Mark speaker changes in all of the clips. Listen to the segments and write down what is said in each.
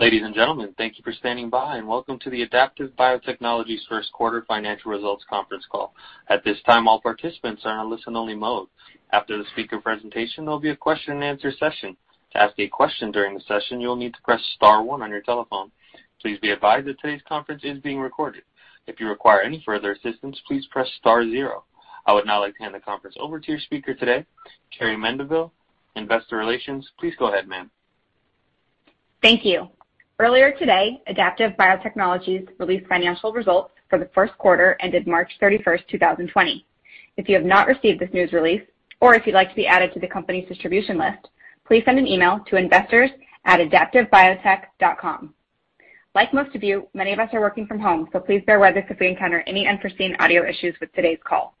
Speaker 1: Ladies and gentlemen, thank you for standing by, and welcome to the Adaptive Biotechnologies first quarter financial results conference call. At this time, all participants are in a listen only mode. After the speaker presentation, there'll be a question and answer session. To ask a question during the session, you'll need to press star one on your telephone. Please be advised that today's conference is being recorded. If you require any further assistance, please press star zero. I would now like to hand the conference over to your speaker today, Carrie Mendivil, investor relations. Please go ahead, ma'am.
Speaker 2: Thank you. Earlier today, Adaptive Biotechnologies released financial results for the first quarter ended March 31st, 2020. If you have not received this news release, or if you'd like to be added to the company's distribution list, please send an email to investors@adaptivebiotech.com. Like most of you, many of us are working from home, so please bear with us if we encounter any unforeseen audio issues with today's call.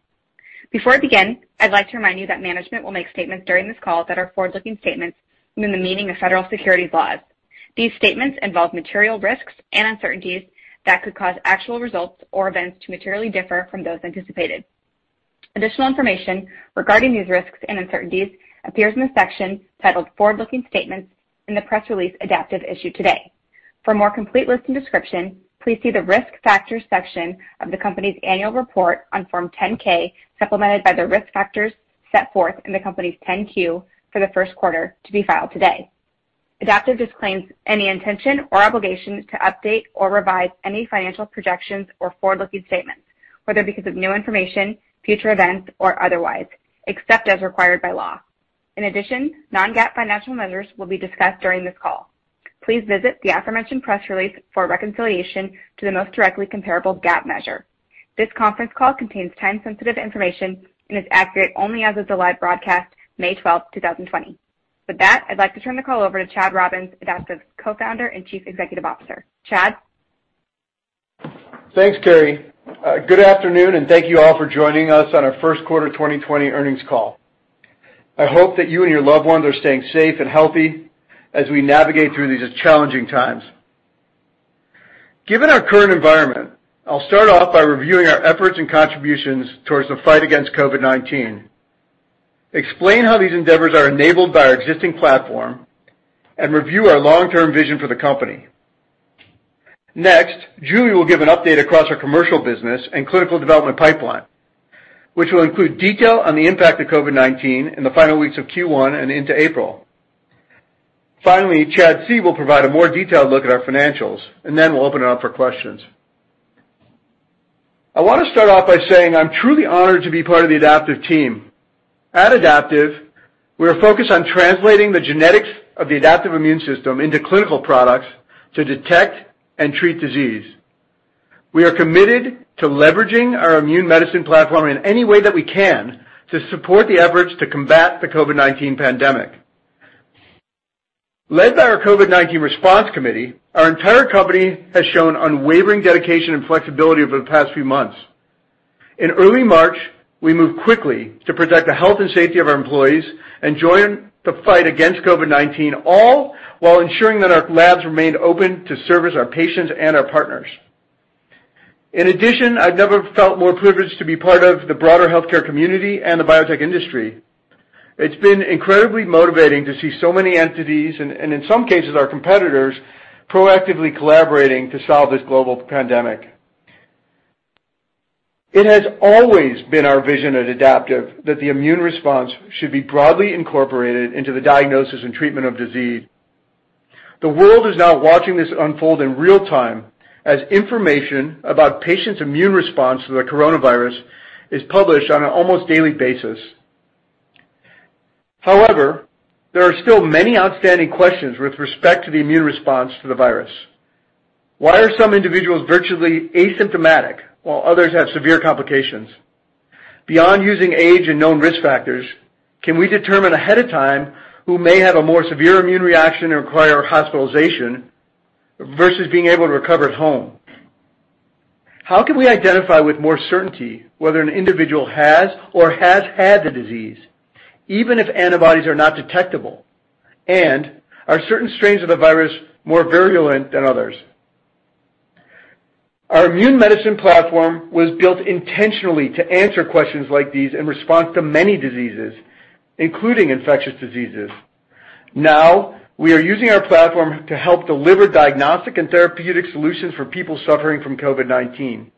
Speaker 2: Before we begin, I'd like to remind you that management will make statements during this call that are forward-looking statements within the meaning of federal securities laws. These statements involve material risks and uncertainties that could cause actual results or events to materially differ from those anticipated. Additional information regarding these risks and uncertainties appears in the section titled "Forward Looking Statements" in the press release Adaptive issued today. For a more complete list and description, please see the Risk Factors section of the company's annual report on Form 10-K, supplemented by the risk factors set forth in the company's 10-Q for the first quarter to be filed today. Adaptive disclaims any intention or obligation to update or revise any financial projections or forward-looking statements, whether because of new information, future events, or otherwise, except as required by law. In addition, non-GAAP financial measures will be discussed during this call. Please visit the aforementioned press release for a reconciliation to the most directly comparable GAAP measure. This conference call contains time-sensitive information and is accurate only as of the live broadcast, May 12th, 2020. With that, I'd like to turn the call over to Chad Robins, Adaptive's co-founder and Chief Executive Officer. Chad?
Speaker 3: Thanks, Carrie. Good afternoon, and thank you all for joining us on our first quarter 2020 earnings call. I hope that you and your loved ones are staying safe and healthy as we navigate through these challenging times. Given our current environment, I'll start off by reviewing our efforts and contributions towards the fight against COVID-19, explain how these endeavors are enabled by our existing platform, and review our long-term vision for the company. Next, Julie will give an update across our commercial business and clinical development pipeline, which will include detail on the impact of COVID-19 in the final weeks of Q1 and into April. Finally, Chad C. will provide a more detailed look at our financials, and then we'll open it up for questions. I want to start off by saying I'm truly honored to be part of the Adaptive team. At Adaptive, we are focused on translating the genetics of the adaptive immune system into clinical products to detect and treat disease. We are committed to leveraging our immune medicine platform in any way that we can to support the efforts to combat the COVID-19 pandemic. Led by our COVID-19 response committee, our entire company has shown unwavering dedication and flexibility over the past few months. In early March, we moved quickly to protect the health and safety of our employees and join the fight against COVID-19, all while ensuring that our labs remained open to service our patients and our partners. In addition, I've never felt more privileged to be part of the broader healthcare community and the biotech industry. It's been incredibly motivating to see so many entities, and in some cases, our competitors, proactively collaborating to solve this global pandemic. It has always been our vision at Adaptive that the immune response should be broadly incorporated into the diagnosis and treatment of disease. The world is now watching this unfold in real time as information about patients' immune response to the coronavirus is published on an almost daily basis. However, there are still many outstanding questions with respect to the immune response to the virus. Why are some individuals virtually asymptomatic while others have severe complications? Beyond using age and known risk factors, can we determine ahead of time who may have a more severe immune reaction and require hospitalization versus being able to recover at home? How can we identify with more certainty whether an individual has or has had the disease, even if antibodies are not detectable? Are certain strains of the virus more virulent than others? Our immune medicine platform was built intentionally to answer questions like these in response to many diseases, including infectious diseases. Now, we are using our platform to help deliver diagnostic and therapeutic solutions for people suffering from COVID-19.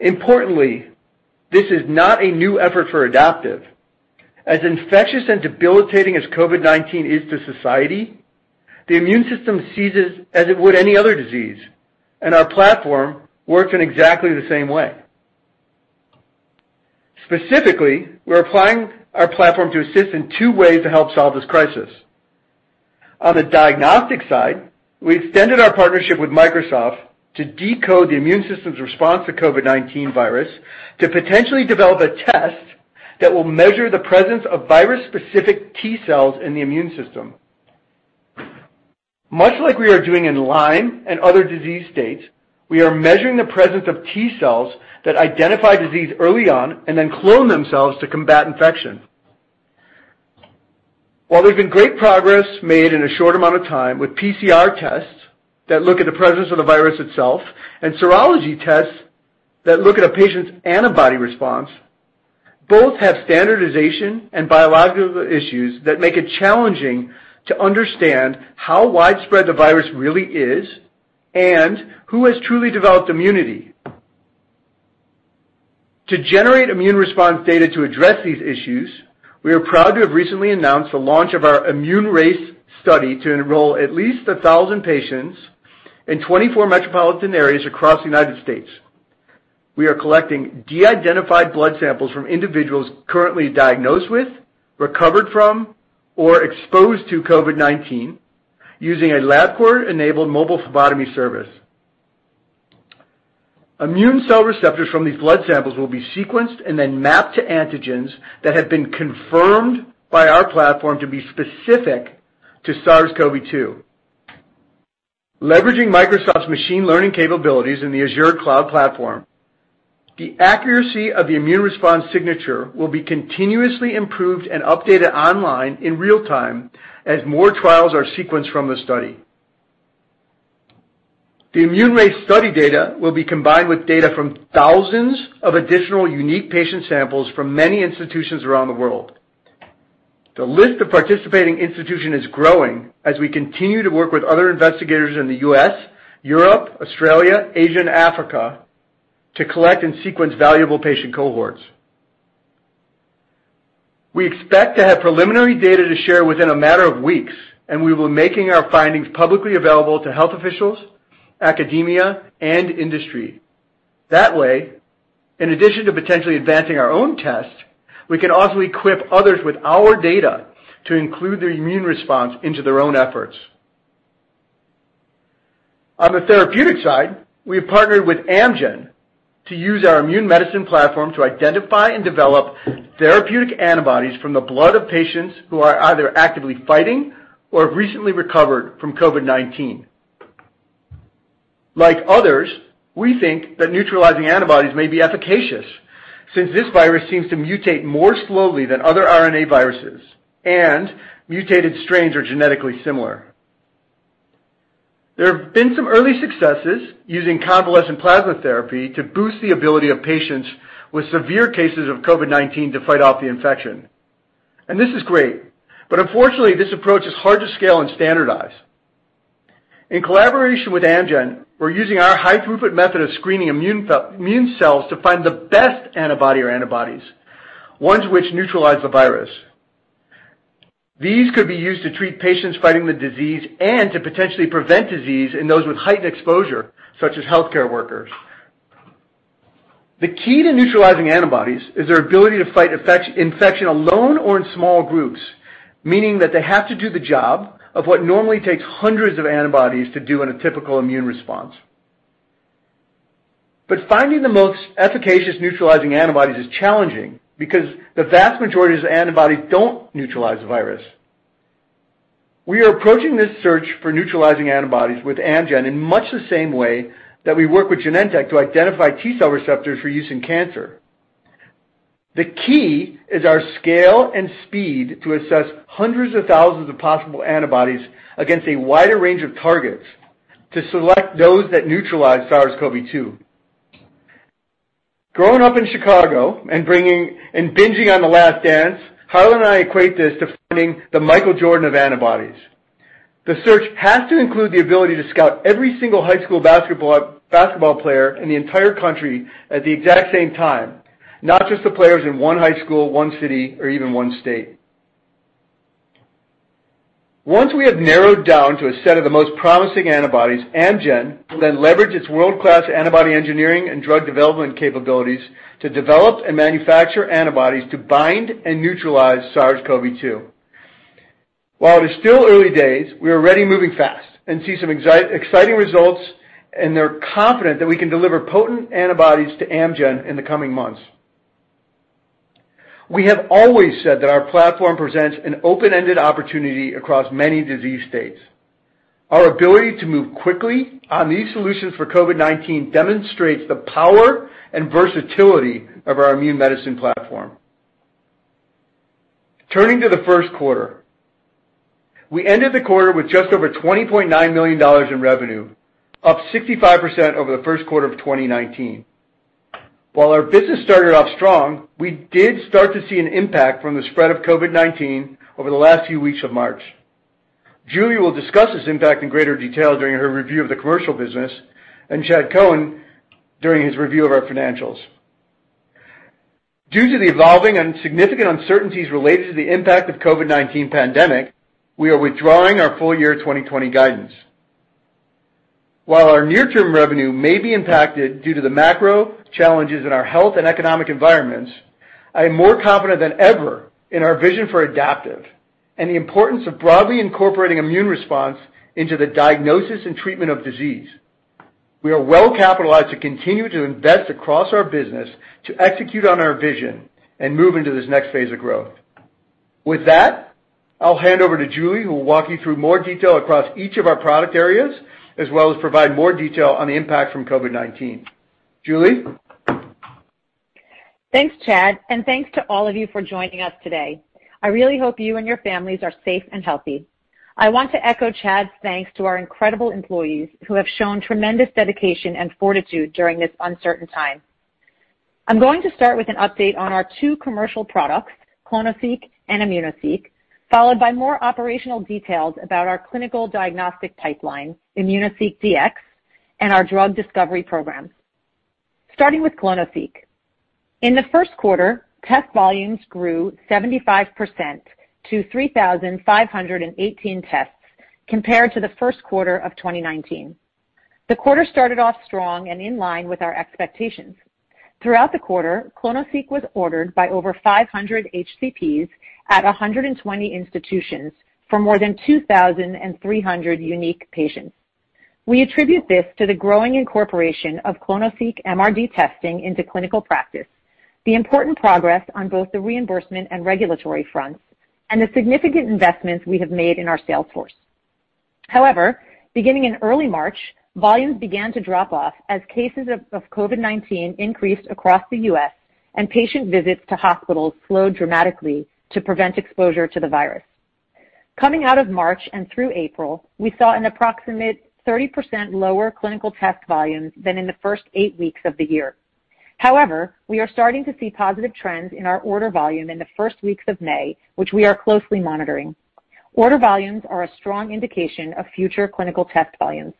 Speaker 3: Importantly, this is not a new effort for Adaptive. As infectious and debilitating as COVID-19 is to society, the immune system sees it as it would any other disease, and our platform works in exactly the same way. Specifically, we're applying our platform to assist in two ways to help solve this crisis. On the diagnostic side, we extended our partnership with Microsoft to decode the immune system's response to COVID-19 virus to potentially develop a test that will measure the presence of virus-specific T cells in the immune system. Much like we are doing in Lyme and other disease states, we are measuring the presence of T cells that identify disease early on and then clone themselves to combat infection. While there's been great progress made in a short amount of time with PCR tests that look at the presence of the virus itself and serology tests that look at a patient's antibody response. Both have standardization and biological issues that make it challenging to understand how widespread the virus really is and who has truly developed immunity. To generate immune response data to address these issues, we are proud to have recently announced the launch of our ImmuneRACE study to enroll at least 1,000 patients in 24 metropolitan areas across the U.S. We are collecting de-identified blood samples from individuals currently diagnosed with, recovered from, or exposed to COVID-19 using a Labcorp-enabled mobile phlebotomy service. Immune cell receptors from these blood samples will be sequenced and then mapped to antigens that have been confirmed by our platform to be specific to SARS-CoV-2. Leveraging Microsoft's machine learning capabilities in the Azure cloud platform, the accuracy of the immune response signature will be continuously improved and updated online in real time as more trials are sequenced from the study. The ImmuneRACE study data will be combined with data from thousands of additional unique patient samples from many institutions around the world. The list of participating institutions is growing as we continue to work with other investigators in the U.S., Europe, Australia, Asia, and Africa to collect and sequence valuable patient cohorts. We expect to have preliminary data to share within a matter of weeks. We will be making our findings publicly available to health officials, academia, and industry. That way, in addition to potentially advancing our own test, we can also equip others with our data to include their immune response into their own efforts. On the therapeutic side, we have partnered with Amgen to use our immune medicine platform to identify and develop therapeutic antibodies from the blood of patients who are either actively fighting or have recently recovered from COVID-19. Like others, we think that neutralizing antibodies may be efficacious since this virus seems to mutate more slowly than other RNA viruses, and mutated strains are genetically similar. There have been some early successes using convalescent plasma therapy to boost the ability of patients with severe cases of COVID-19 to fight off the infection. This is great, unfortunately, this approach is hard to scale and standardize. In collaboration with Amgen, we're using our high throughput method of screening immune cells to find the best antibody or antibodies, ones which neutralize the virus. These could be used to treat patients fighting the disease and to potentially prevent disease in those with heightened exposure, such as healthcare workers. The key to neutralizing antibodies is their ability to fight infection alone or in small groups, meaning that they have to do the job of what normally takes hundreds of antibodies to do in a typical immune response. Finding the most efficacious neutralizing antibodies is challenging because the vast majority of the antibodies don't neutralize the virus. We are approaching this search for neutralizing antibodies with Amgen in much the same way that we work with Genentech to identify T cell receptors for use in cancer. The key is our scale and speed to assess hundreds of thousands of possible antibodies against a wider range of targets to select those that neutralize SARS-CoV-2. Growing up in Chicago and binging on "The Last Dance," Harlan and I equate this to finding the Michael Jordan of antibodies. The search has to include the ability to scout every single high school basketball player in the entire country at the exact same time, not just the players in one high school, one city, or even one state. Once we have narrowed down to a set of the most promising antibodies, Amgen will then leverage its world-class antibody engineering and drug development capabilities to develop and manufacture antibodies to bind and neutralize SARS-CoV-2. While it is still early days, we are already moving fast and see some exciting results, and they're confident that we can deliver potent antibodies to Amgen in the coming months. We have always said that our platform presents an open-ended opportunity across many disease states. Our ability to move quickly on these solutions for COVID-19 demonstrates the power and versatility of our immune medicine platform. Turning to the first quarter. We ended the quarter with just over $20.9 million in revenue, up 65% over the first quarter of 2019. While our business started off strong, we did start to see an impact from the spread of COVID-19 over the last few weeks of March. Julie will discuss this impact in greater detail during her review of the commercial business and Chad Cohen during his review of our financials. Due to the evolving and significant uncertainties related to the impact of COVID-19 pandemic, we are withdrawing our full year 2020 guidance. While our near-term revenue may be impacted due to the macro challenges in our health and economic environments, I am more confident than ever in our vision for Adaptive and the importance of broadly incorporating immune response into the diagnosis and treatment of disease. We are well capitalized to continue to invest across our business to execute on our vision and move into this next phase of growth. With that, I'll hand over to Julie, who will walk you through more detail across each of our product areas, as well as provide more detail on the impact from COVID-19. Julie?
Speaker 4: Thanks, Chad. Thanks to all of you for joining us today. I really hope you and your families are safe and healthy. I want to echo Chad's thanks to our incredible employees, who have shown tremendous dedication and fortitude during this uncertain time. I'm going to start with an update on our two commercial products, clonoSEQ and immunoSEQ, followed by more operational details about our clinical diagnostic pipeline, immunoSEQ Dx, and our drug discovery programs. Starting with clonoSEQ. In the first quarter, test volumes grew 75% to 3,518 tests compared to the first quarter of 2019. The quarter started off strong and in line with our expectations. Throughout the quarter, clonoSEQ was ordered by over 500 HCPs at 120 institutions for more than 2,300 unique patients. We attribute this to the growing incorporation of clonoSEQ MRD testing into clinical practice, the important progress on both the reimbursement and regulatory fronts, and the significant investments we have made in our sales force. Beginning in early March, volumes began to drop off as cases of COVID-19 increased across the U.S. and patient visits to hospitals slowed dramatically to prevent exposure to the virus. Coming out of March and through April, we saw an approximate 30% lower clinical test volumes than in the first eight weeks of the year. We are starting to see positive trends in our order volume in the first weeks of May, which we are closely monitoring. Order volumes are a strong indication of future clinical test volumes.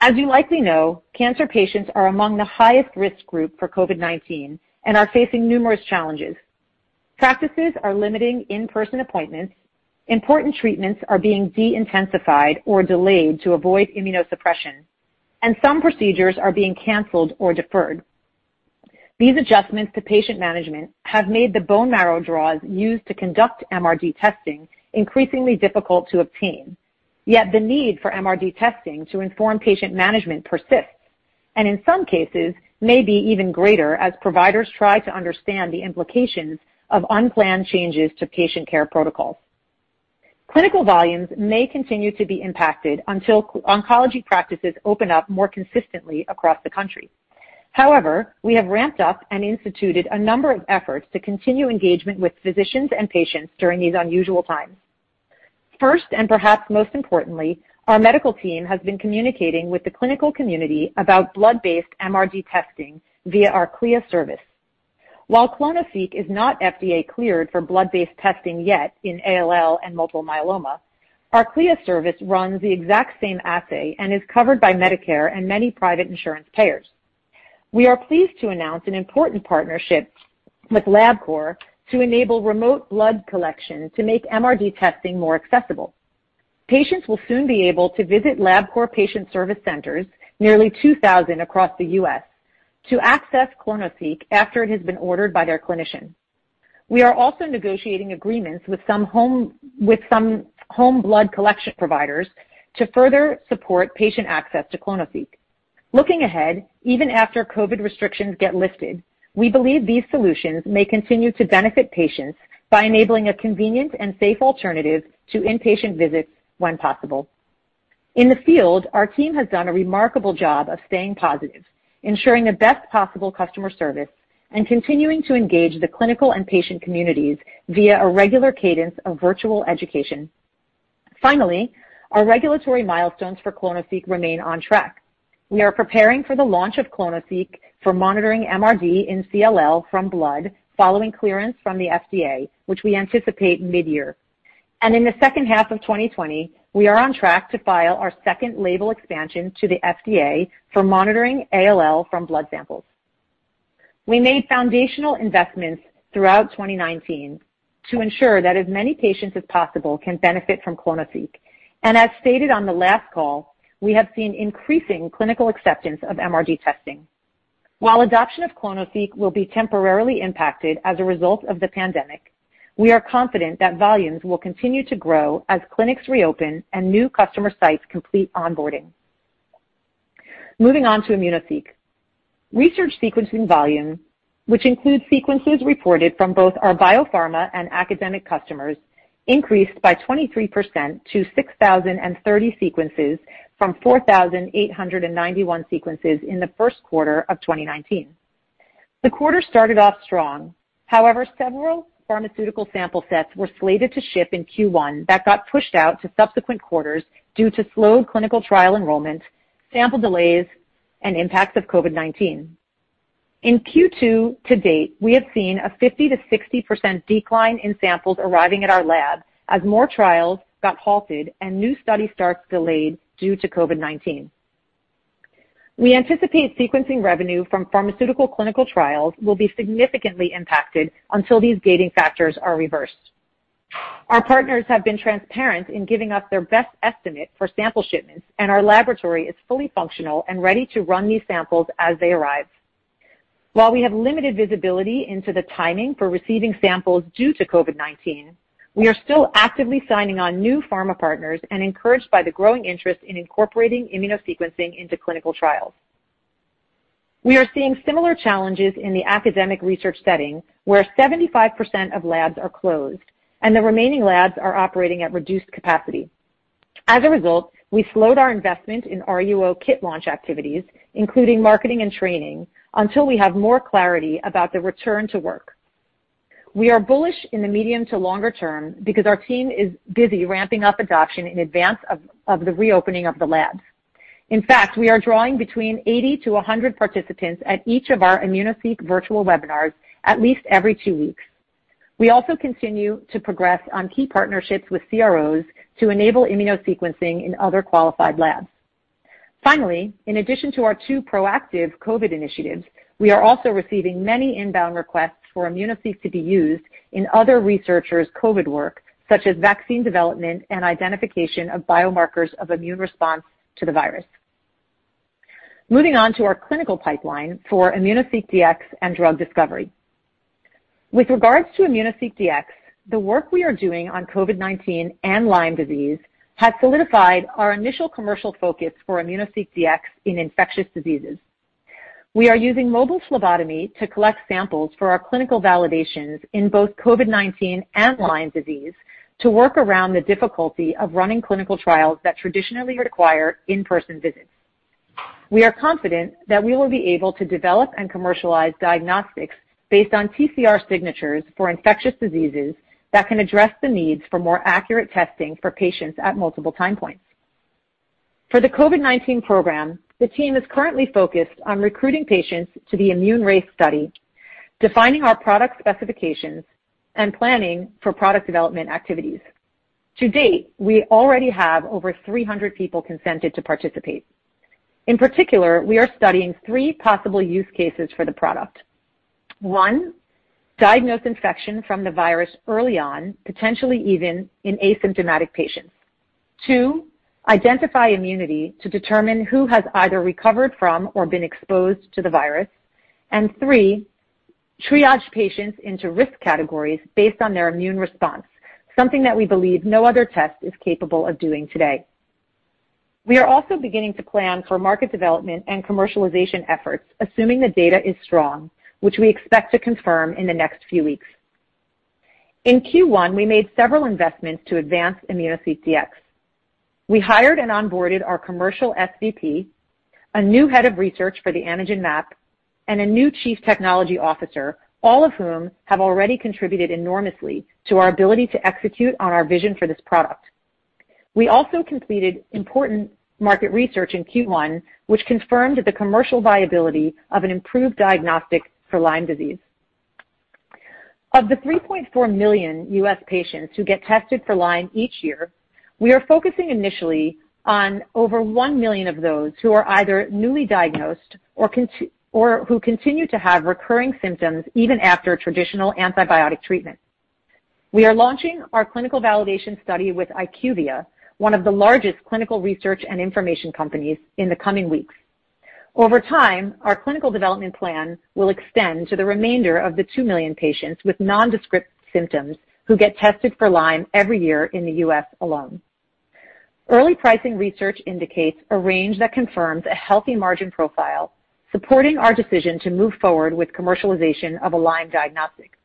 Speaker 4: As you likely know, cancer patients are among the highest risk group for COVID-19 and are facing numerous challenges. Practices are limiting in-person appointments, important treatments are being de-intensified or delayed to avoid immunosuppression, and some procedures are being canceled or deferred. These adjustments to patient management have made the bone marrow draws used to conduct MRD testing increasingly difficult to obtain. Yet the need for MRD testing to inform patient management persists, and in some cases may be even greater as providers try to understand the implications of unplanned changes to patient care protocols. Clinical volumes may continue to be impacted until oncology practices open up more consistently across the country. However, we have ramped up and instituted a number of efforts to continue engagement with physicians and patients during these unusual times. First, and perhaps most importantly, our medical team has been communicating with the clinical community about blood-based MRD testing via our CLIA service. While clonoSEQ is not FDA cleared for blood-based testing yet in ALL and multiple myeloma, our CLIA service runs the exact same assay and is covered by Medicare and many private insurance payers. We are pleased to announce an important partnership with Labcorp to enable remote blood collection to make MRD testing more accessible. Patients will soon be able to visit Labcorp patient service centers, nearly 2,000 across the U.S., to access clonoSEQ after it has been ordered by their clinician. We are also negotiating agreements with some home blood collection providers to further support patient access to clonoSEQ. Looking ahead, even after COVID-19 restrictions get lifted, we believe these solutions may continue to benefit patients by enabling a convenient and safe alternative to in-patient visits when possible. In the field, our team has done a remarkable job of staying positive, ensuring the best possible customer service, and continuing to engage the clinical and patient communities via a regular cadence of virtual education. Our regulatory milestones for clonoSEQ remain on track. We are preparing for the launch of clonoSEQ for monitoring MRD in CLL from blood following clearance from the FDA, which we anticipate mid-year. In the second half of 2020, we are on track to file our second label expansion to the FDA for monitoring ALL from blood samples. We made foundational investments throughout 2019 to ensure that as many patients as possible can benefit from clonoSEQ. As stated on the last call, we have seen increasing clinical acceptance of MRD testing. While adoption of clonoSEQ will be temporarily impacted as a result of the pandemic, we are confident that volumes will continue to grow as clinics reopen and new customer sites complete onboarding. Moving on to immunoSEQ. Research sequencing volume, which includes sequences reported from both our biopharma and academic customers, increased by 23% to 6,030 sequences from 4,891 sequences in the first quarter of 2019. The quarter started off strong. However, several pharmaceutical sample sets were slated to ship in Q1 that got pushed out to subsequent quarters due to slowed clinical trial enrollment, sample delays, and impacts of COVID-19. In Q2 to date, we have seen a 50%-60% decline in samples arriving at our lab as more trials got halted and new study starts delayed due to COVID-19. We anticipate sequencing revenue from pharmaceutical clinical trials will be significantly impacted until these gating factors are reversed. Our partners have been transparent in giving us their best estimate for sample shipments, and our laboratory is fully functional and ready to run these samples as they arrive. While we have limited visibility into the timing for receiving samples due to COVID-19, we are still actively signing on new pharma partners and encouraged by the growing interest in incorporating immunosequencing into clinical trials. We are seeing similar challenges in the academic research setting, where 75% of labs are closed, and the remaining labs are operating at reduced capacity. As a result, we slowed our investment in RUO kit launch activities, including marketing and training, until we have more clarity about the return to work. We are bullish in the medium to longer term because our team is busy ramping up adoption in advance of the reopening of the labs. In fact, we are drawing between 80 to 100 participants at each of our immunoSEQ virtual webinars at least every two weeks. We also continue to progress on key partnerships with CROs to enable immunosequencing in other qualified labs. In addition to our two proactive COVID-19 initiatives, we are also receiving many inbound requests for immunoSEQ to be used in other researchers' COVID-19 work, such as vaccine development and identification of biomarkers of immune response to the virus. Moving on to our clinical pipeline for immunoSEQ Dx and drug discovery. With regards to immunoSEQ Dx, the work we are doing on COVID-19 and Lyme disease has solidified our initial commercial focus for immunoSEQ Dx in infectious diseases. We are using mobile phlebotomy to collect samples for our clinical validations in both COVID-19 and Lyme disease to work around the difficulty of running clinical trials that traditionally require in-person visits. We are confident that we will be able to develop and commercialize diagnostics based on TCR signatures for infectious diseases that can address the needs for more accurate testing for patients at multiple time points. For the COVID-19 program, the team is currently focused on recruiting patients to the ImmuneRACE study, defining our product specifications, and planning for product development activities. To date, we already have over 300 people consented to participate. In particular, we are studying 3 possible use cases for the product. 1, diagnose infection from the virus early on, potentially even in asymptomatic patients. 2, identify immunity to determine who has either recovered from or been exposed to the virus. 3, triage patients into risk categories based on their immune response, something that we believe no other test is capable of doing today. We are also beginning to plan for market development and commercialization efforts, assuming the data is strong, which we expect to confirm in the next few weeks. In Q1, we made several investments to advance immunoSEQ Dx. We hired and onboarded our commercial SVP, a new head of research for the antigen map, and a new chief technology officer, all of whom have already contributed enormously to our ability to execute on our vision for this product. We also completed important market research in Q1, which confirmed the commercial viability of an improved diagnostic for Lyme disease. Of the 3.4 million U.S. patients who get tested for Lyme each year, we are focusing initially on over 1 million of those who are either newly diagnosed or who continue to have recurring symptoms even after traditional antibiotic treatment. We are launching our clinical validation study with IQVIA, one of the largest clinical research and information companies, in the coming weeks. Over time, our clinical development plan will extend to the remainder of the 2 million patients with nondescript symptoms who get tested for Lyme every year in the U.S. alone. Early pricing research indicates a range that confirms a healthy margin profile, supporting our decision to move forward with commercialization of a Lyme diagnostic.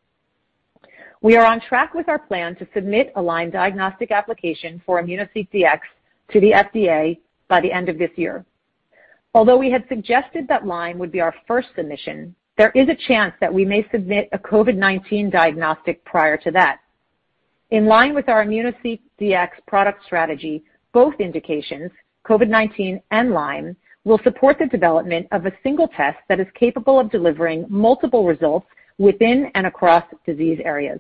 Speaker 4: We are on track with our plan to submit a Lyme diagnostic application for immunoSEQ Dx to the FDA by the end of this year. Although we had suggested that Lyme would be our first submission, there is a chance that we may submit a COVID-19 diagnostic prior to that. In line with our immunoSEQ Dx product strategy, both indications, COVID-19 and Lyme, will support the development of a single test that is capable of delivering multiple results within and across disease areas.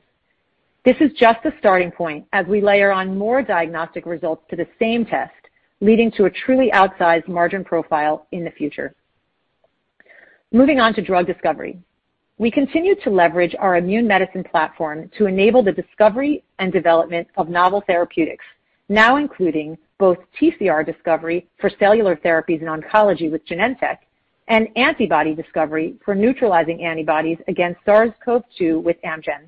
Speaker 4: This is just a starting point as we layer on more diagnostic results to the same test, leading to a truly outsized margin profile in the future. Moving on to drug discovery. We continue to leverage our immune medicine platform to enable the discovery and development of novel therapeutics, now including both TCR discovery for cellular therapies in oncology with Genentech and antibody discovery for neutralizing antibodies against SARS-CoV-2 with Amgen.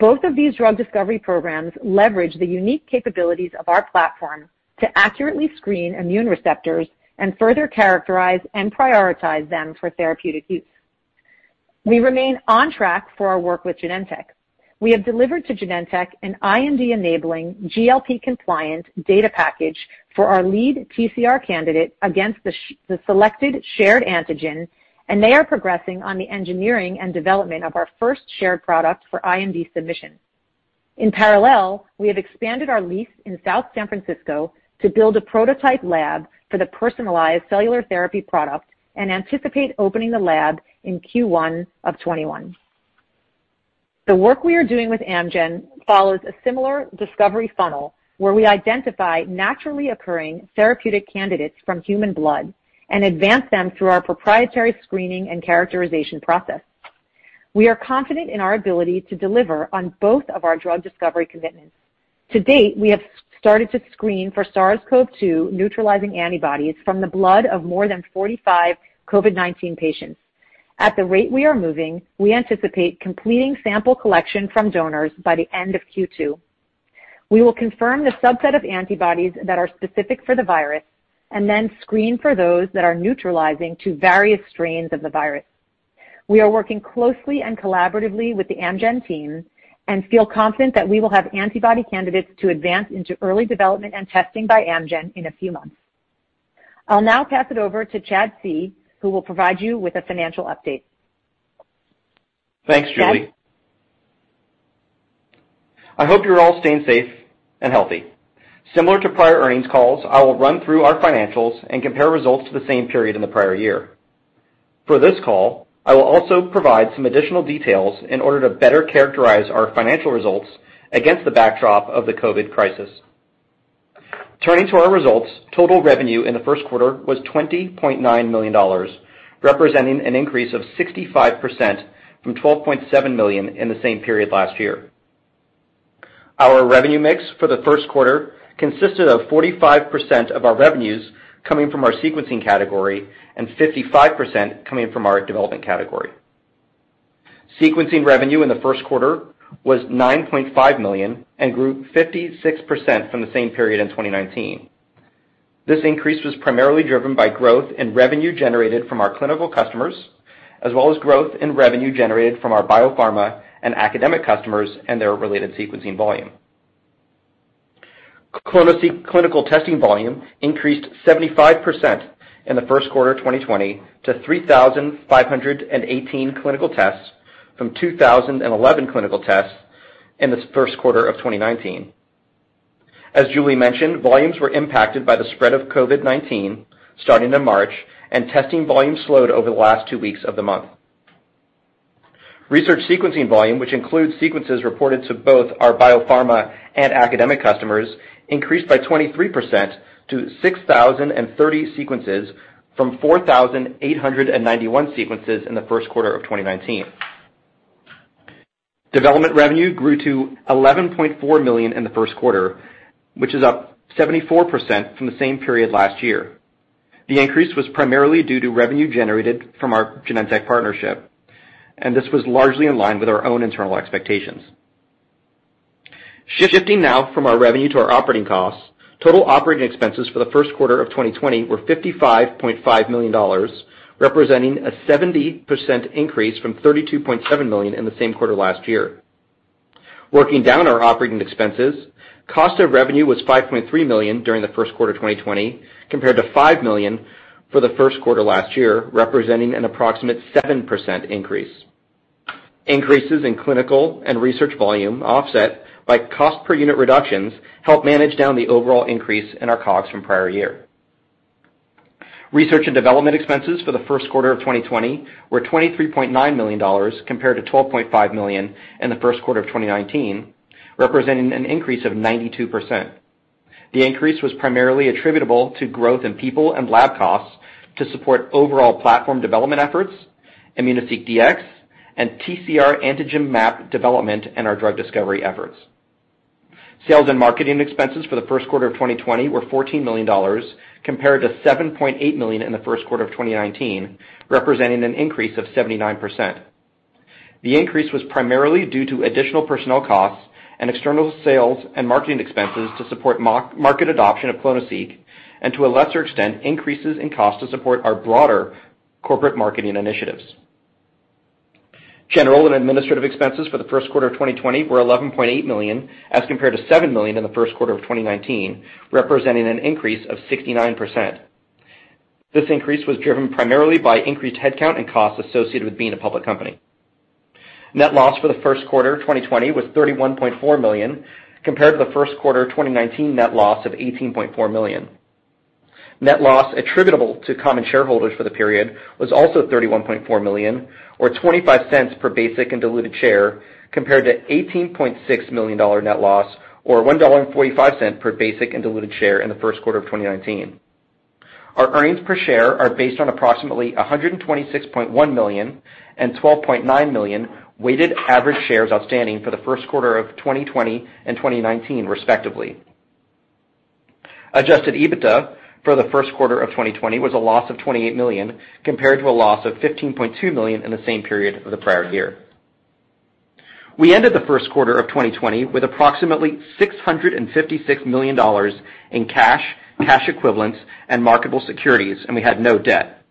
Speaker 4: Both of these drug discovery programs leverage the unique capabilities of our platform to accurately screen immune receptors and further characterize and prioritize them for therapeutic use. We remain on track for our work with Genentech. We have delivered to Genentech an IND-enabling, GLP-compliant data package for our lead TCR candidate against the selected shared antigen, and they are progressing on the engineering and development of our first shared product for IND submission. In parallel, we have expanded our lease in South San Francisco to build a prototype lab for the personalized cellular therapy product and anticipate opening the lab in Q1 of 2021. The work we are doing with Amgen follows a similar discovery funnel, where we identify naturally occurring therapeutic candidates from human blood and advance them through our proprietary screening and characterization process. We are confident in our ability to deliver on both of our drug discovery commitments. To date, we have started to screen for SARS-CoV-2 neutralizing antibodies from the blood of more than 45 COVID-19 patients. At the rate we are moving, we anticipate completing sample collection from donors by the end of Q2. We will confirm the subset of antibodies that are specific for the virus and then screen for those that are neutralizing to various strains of the virus. We are working closely and collaboratively with the Amgen team and feel confident that we will have antibody candidates to advance into early development and testing by Amgen in a few months. I'll now pass it over to Chad C., who will provide you with a financial update. Chad?
Speaker 5: Thanks, Julie. I hope you're all staying safe and healthy. Similar to prior earnings calls, I will run through our financials and compare results to the same period in the prior year. For this call, I will also provide some additional details in order to better characterize our financial results against the backdrop of the COVID crisis. Turning to our results, total revenue in the first quarter was $20.9 million, representing an increase of 65% from $12.7 million in the same period last year. Our revenue mix for the first quarter consisted of 45% of our revenues coming from our sequencing category and 55% coming from our development category. Sequencing revenue in the first quarter was $9.5 million and grew 56% from the same period in 2019. This increase was primarily driven by growth in revenue generated from our clinical customers, as well as growth in revenue generated from our biopharma and academic customers and their related sequencing volume. clonoSEQ clinical testing volume increased 75% in the first quarter of 2020 to 3,518 clinical tests from 2,011 clinical tests in the first quarter of 2019. As Julie mentioned, volumes were impacted by the spread of COVID-19 starting in March, and testing volumes slowed over the last two weeks of the month. Research sequencing volume, which includes sequences reported to both our biopharma and academic customers, increased by 23% to 6,030 sequences from 4,891 sequences in the first quarter of 2019. Development revenue grew to $11.4 million in the first quarter, which is up 74% from the same period last year. The increase was primarily due to revenue generated from our Genentech partnership. This was largely in line with our own internal expectations. Shifting now from our revenue to our operating costs, total operating expenses for the first quarter of 2020 were $55.5 million, representing a 70% increase from $32.7 million in the same quarter last year. Working down our operating expenses, cost of revenue was $5.3 million during the first quarter 2020 compared to $5 million for the first quarter last year, representing an approximate 7% increase. Increases in clinical and research volume offset by cost per unit reductions helped manage down the overall increase in our COGS from prior year. Research and development expenses for the first quarter of 2020 were $23.9 million, compared to $12.5 million in the first quarter of 2019, representing an increase of 92%. The increase was primarily attributable to growth in people and lab costs to support overall platform development efforts, immunoSEQ Dx, and TCR-Antigen Map development in our drug discovery efforts. Sales and marketing expenses for the first quarter of 2020 were $14 million, compared to $7.8 million in the first quarter of 2019, representing an increase of 79%. The increase was primarily due to additional personnel costs and external sales and marketing expenses to support market adoption of clonoSEQ, and to a lesser extent, increases in cost to support our broader corporate marketing initiatives. General and administrative expenses for the first quarter of 2020 were $11.8 million, as compared to $7 million in the first quarter of 2019, representing an increase of 69%. This increase was driven primarily by increased headcount and costs associated with being a public company. Net loss for the first quarter 2020 was $31.4 million, compared to the first quarter 2019 net loss of $18.4 million. Net loss attributable to common shareholders for the period was also $31.4 million, or $0.25 per basic and diluted share, compared to $18.6 million net loss, or $1.45 per basic and diluted share in the first quarter of 2019. Our earnings per share are based on approximately 126.1 million and 12.9 million weighted average shares outstanding for the first quarter of 2020 and 2019, respectively. Adjusted EBITDA for the first quarter of 2020 was a loss of $28 million, compared to a loss of $15.2 million in the same period of the prior year. We ended the first quarter of 2020 with approximately $656 million in cash equivalents, and marketable securities, and we had no debt.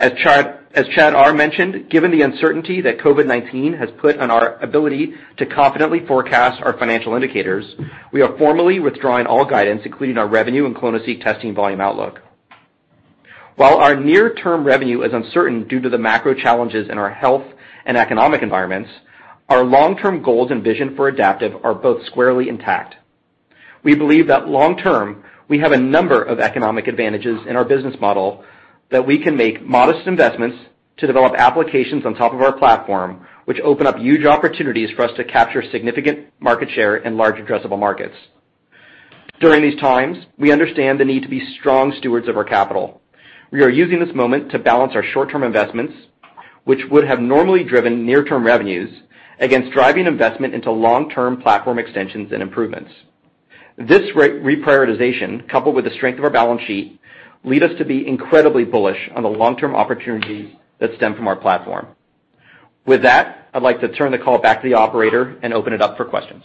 Speaker 5: As Chad R mentioned, given the uncertainty that COVID-19 has put on our ability to confidently forecast our financial indicators, we are formally withdrawing all guidance, including our revenue and clonoSEQ testing volume outlook. While our near-term revenue is uncertain due to the macro challenges in our health and economic environments, our long-term goals and vision for Adaptive are both squarely intact. We believe that long-term, we have a number of economic advantages in our business model that we can make modest investments to develop applications on top of our platform, which open up huge opportunities for us to capture significant market share in large addressable markets. During these times, we understand the need to be strong stewards of our capital. We are using this moment to balance our short-term investments, which would have normally driven near-term revenues, against driving investment into long-term platform extensions and improvements. This reprioritization, coupled with the strength of our balance sheet, leads us to be incredibly bullish on the long-term opportunities that stem from our platform. With that, I'd like to turn the call back to the operator and open it up for questions.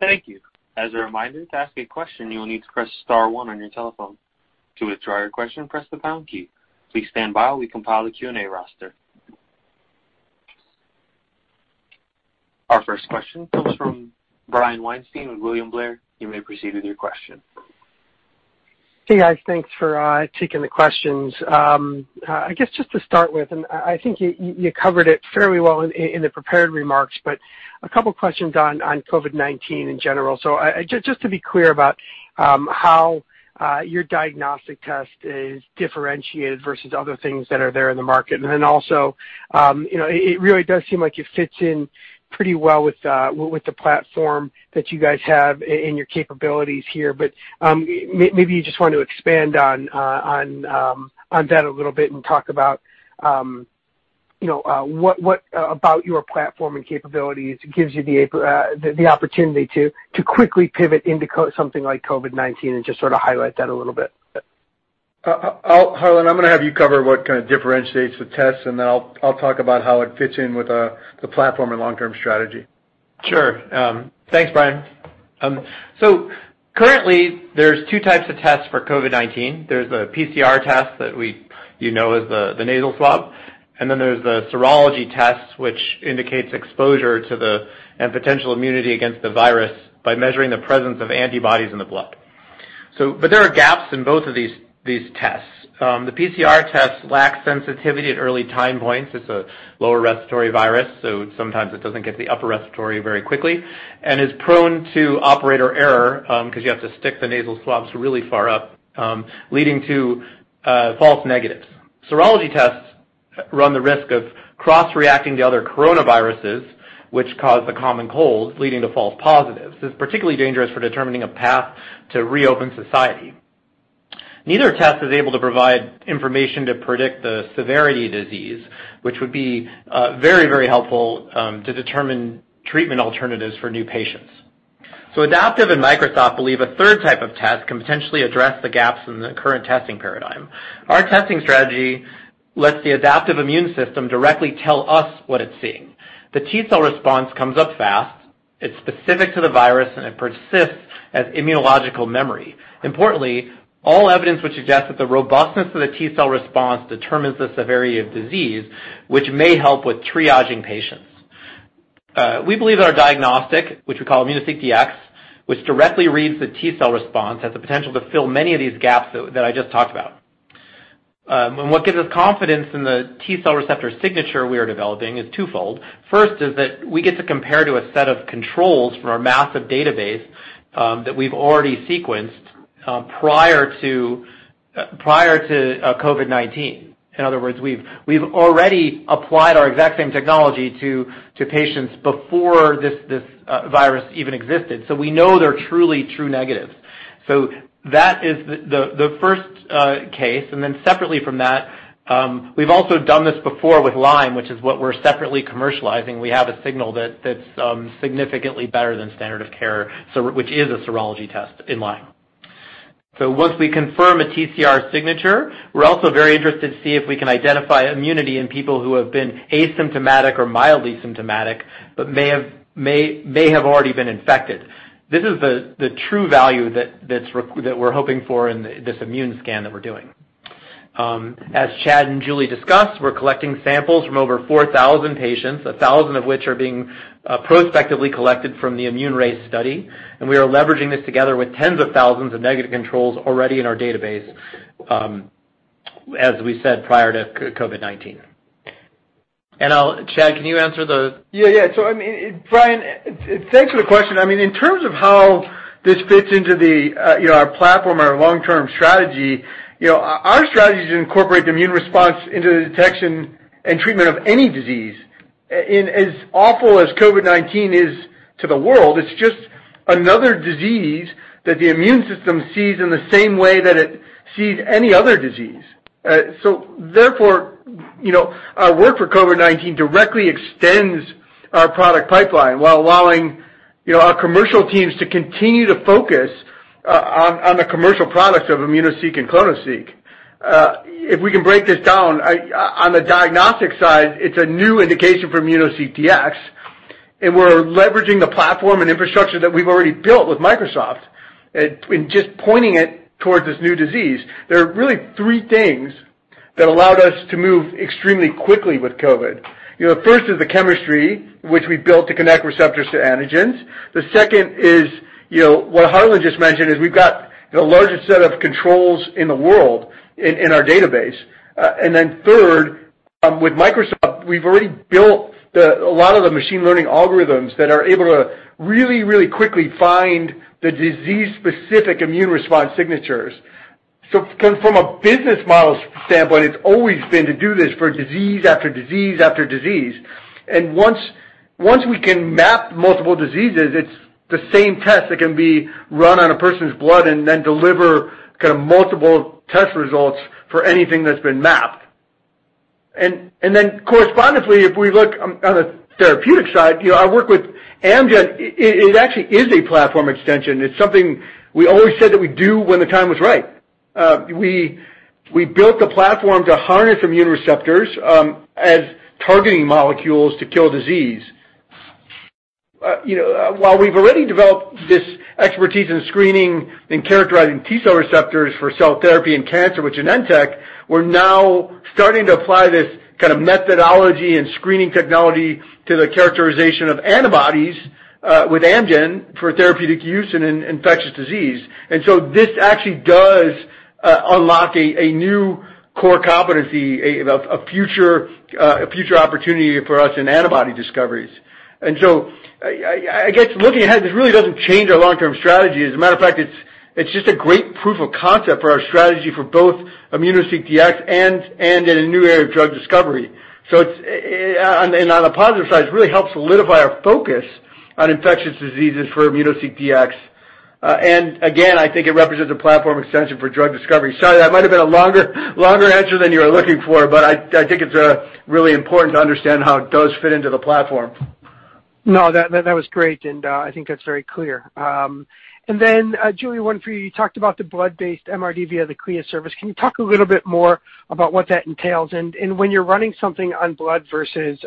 Speaker 1: Thank you. As a reminder, to ask a question, you will need to press star one on your telephone. To withdraw your question, press the pound key. Please stand by while we compile the Q&A roster. Our first question comes from Brian Weinstein with William Blair. You may proceed with your question.
Speaker 6: Hey, guys. Thanks for taking the questions. I guess just to start with, I think you covered it fairly well in the prepared remarks, a couple questions on COVID-19 in general. Just to be clear about how your diagnostic test is differentiated versus other things that are there in the market. Also it really does seem like it fits in pretty well with the platform that you guys have and your capabilities here. Maybe you just want to expand on that a little bit and talk about what about your platform and capabilities gives you the opportunity to quickly pivot into something like COVID-19 and just sort of highlight that a little bit.
Speaker 3: Harlan, I'm going to have you cover what kind of differentiates the tests, and then I'll talk about how it fits in with the platform and long-term strategy.
Speaker 7: Thanks, Brian. Currently there's type 2 tests for COVID-19. There's the PCR test that you know as the nasal swab, and then there's the serology test, which indicates exposure to the and potential immunity against the virus by measuring the presence of antibodies in the blood. There are gaps in both of these tests. The PCR tests lack sensitivity at early time points. It's a lower respiratory virus, so sometimes it doesn't get to the upper respiratory very quickly and is prone to operator error, because you have to stick the nasal swabs really far up, leading to false negatives. Serology tests run the risk of cross-reacting to other coronaviruses, which cause the common cold, leading to false positives. This is particularly dangerous for determining a path to reopen society. Neither test is able to provide information to predict the severity of disease, which would be very helpful to determine treatment alternatives for new patients. Adaptive and Microsoft believe a third type of test can potentially address the gaps in the current testing paradigm. Our testing strategy lets the adaptive immune system directly tell us what it's seeing. The T-cell response comes up fast, it's specific to the virus, and it persists as immunological memory. Importantly, all evidence would suggest that the robustness of the T-cell response determines the severity of disease, which may help with triaging patients. We believe that our diagnostic, which we call immunoSEQ Dx, which directly reads the T-cell response, has the potential to fill many of these gaps that I just talked about. What gives us confidence in the T-cell receptor signature we are developing is twofold. First is that we get to compare to a set of controls from our massive database that we've already sequenced prior to COVID-19. In other words, we've already applied our exact same technology to patients before this virus even existed. We know they're truly true negatives. That is the first case. Separately from that, we've also done this before with Lyme, which is what we're separately commercializing. We have a signal that's significantly better than standard of care, which is a serology test in Lyme. Once we confirm a TCR signature, we're also very interested to see if we can identify immunity in people who have been asymptomatic or mildly symptomatic but may have already been infected. This is the true value that we're hoping for in this immune scan that we're doing. As Chad and Julie discussed, we're collecting samples from over 4,000 patients, 1,000 of which are being prospectively collected from the ImmuneRACE study. We are leveraging this together with tens of thousands of negative controls already in our database, as we said prior to COVID-19. Chad, can you answer the-
Speaker 3: Brian, thanks for the question. In terms of how this fits into our platform, our long-term strategy, our strategy is to incorporate the immune response into the detection and treatment of any disease. As awful as COVID-19 is to the world, it's just another disease that the immune system sees in the same way that it sees any other disease. Therefore, our work for COVID-19 directly extends our product pipeline while allowing our commercial teams to continue to focus on the commercial products of immunoSEQ and clonoSEQ. If we can break this down, on the diagnostic side, it's a new indication for immunoSEQ Dx, and we're leveraging the platform and infrastructure that we've already built with Microsoft and just pointing it towards this new disease. There are really three things that allowed us to move extremely quickly with COVID. First is the chemistry, which we built to connect receptors to antigens. The second is what Harlan just mentioned, we've got the largest set of controls in the world in our database. Third, with Microsoft, we've already built a lot of the machine learning algorithms that are able to really quickly find the disease-specific immune response signatures. From a business model standpoint, it's always been to do this for disease after disease. Once we can map multiple diseases, it's the same test that can be run on a person's blood and then deliver kind of multiple test results for anything that's been mapped. Correspondingly, if we look on the therapeutic side, I work with Amgen. It actually is a platform extension. It's something we always said that we'd do when the time was right. We built the platform to harness immune receptors as targeting molecules to kill disease. While we've already developed this expertise in screening and characterizing T cell receptors for cell therapy and cancer with Genentech, we're now starting to apply this kind of methodology and screening technology to the characterization of antibodies, with Amgen for therapeutic use in infectious disease. This actually does unlock a new core competency, a future opportunity for us in antibody discoveries. I guess, looking ahead, this really doesn't change our long-term strategy. As a matter of fact, it's just a great proof of concept for our strategy for both immunoSEQ Dx and in a new area of drug discovery. On a positive side, it really helps solidify our focus on infectious diseases for immunoSEQ Dx. Again, I think it represents a platform extension for drug discovery. Sorry, that might have been a longer answer than you were looking for, but I think it's really important to understand how it does fit into the platform.
Speaker 6: No, that was great, and I think that's very clear. Julie, you talked about the blood-based MRD via the CLIA service. Can you talk a little bit more about what that entails, and when you're running something on blood versus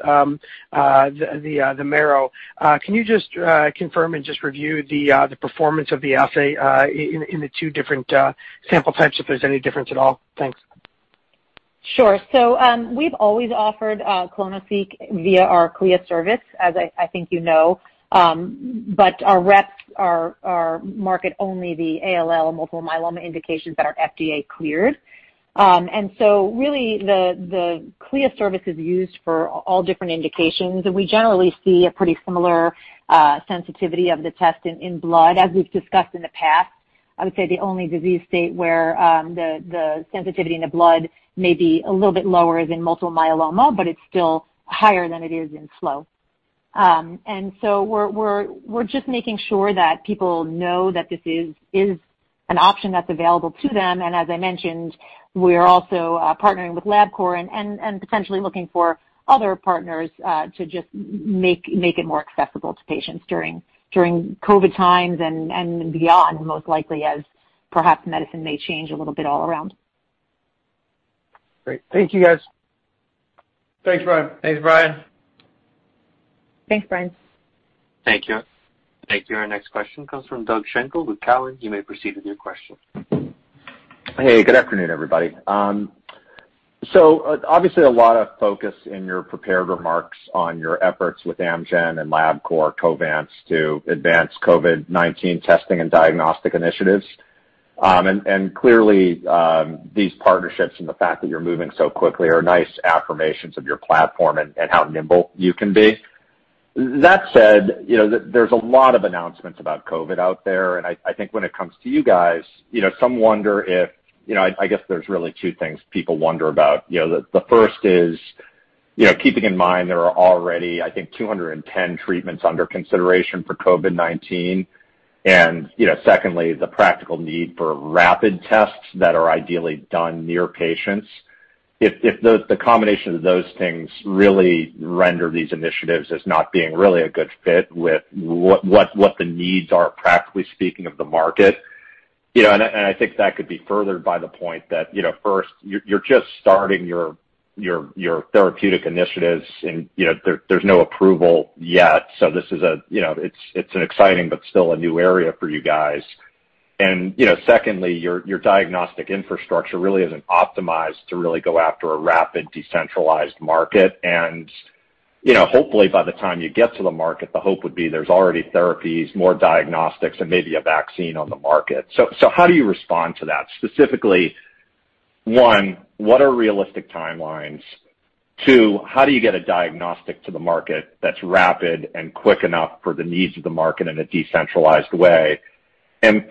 Speaker 6: the marrow, can you just confirm and just review the performance of the assay, in the two different sample types, if there's any difference at all? Thanks.
Speaker 4: Sure. We've always offered clonoSEQ via our CLIA service, as I think you know. Our reps market only the ALL multiple myeloma indications that are FDA cleared. Really the CLIA service is used for all different indications, and we generally see a pretty similar sensitivity of the test in blood, as we've discussed in the past. I would say the only disease state where the sensitivity in the blood may be a little bit lower is in multiple myeloma, but it's still higher than it is in flow. We're just making sure that people know that this is an option that's available to them. As I mentioned, we are also partnering with Labcorp and potentially looking for other partners, to just make it more accessible to patients during COVID times and beyond, most likely, as perhaps medicine may change a little bit all around.
Speaker 6: Great. Thank you, guys.
Speaker 3: Thanks, Brian.
Speaker 5: Thanks, Brian.
Speaker 4: Thanks, Brian.
Speaker 1: Thank you. Our next question comes from Doug Schenkel with Cowen. You may proceed with your question.
Speaker 8: Hey, good afternoon, everybody. Obviously a lot of focus in your prepared remarks on your efforts with Amgen and Labcorp, Covance to advance COVID-19 testing and diagnostic initiatives. Clearly, these partnerships and the fact that you're moving so quickly are nice affirmations of your platform and how nimble you can be. That said, there's a lot of announcements about COVID out there, and I think when it comes to you guys, some wonder if I guess there's really two things people wonder about. The first is, keeping in mind there are already, I think, 210 treatments under consideration for COVID-19, and secondly, the practical need for rapid tests that are ideally done near patients. If the combination of those things really render these initiatives as not being really a good fit with what the needs are, practically speaking, of the market, I think that could be furthered by the point that first, you're just starting your therapeutic initiatives and there's no approval yet, so it's an exciting but still a new area for you guys. Secondly, your diagnostic infrastructure really isn't optimized to really go after a rapid decentralized market. Hopefully by the time you get to the market, the hope would be there's already therapies, more diagnostics, and maybe a vaccine on the market. How do you respond to that? Specifically, one, what are realistic timelines? Two, how do you get a diagnostic to the market that's rapid and quick enough for the needs of the market in a decentralized way?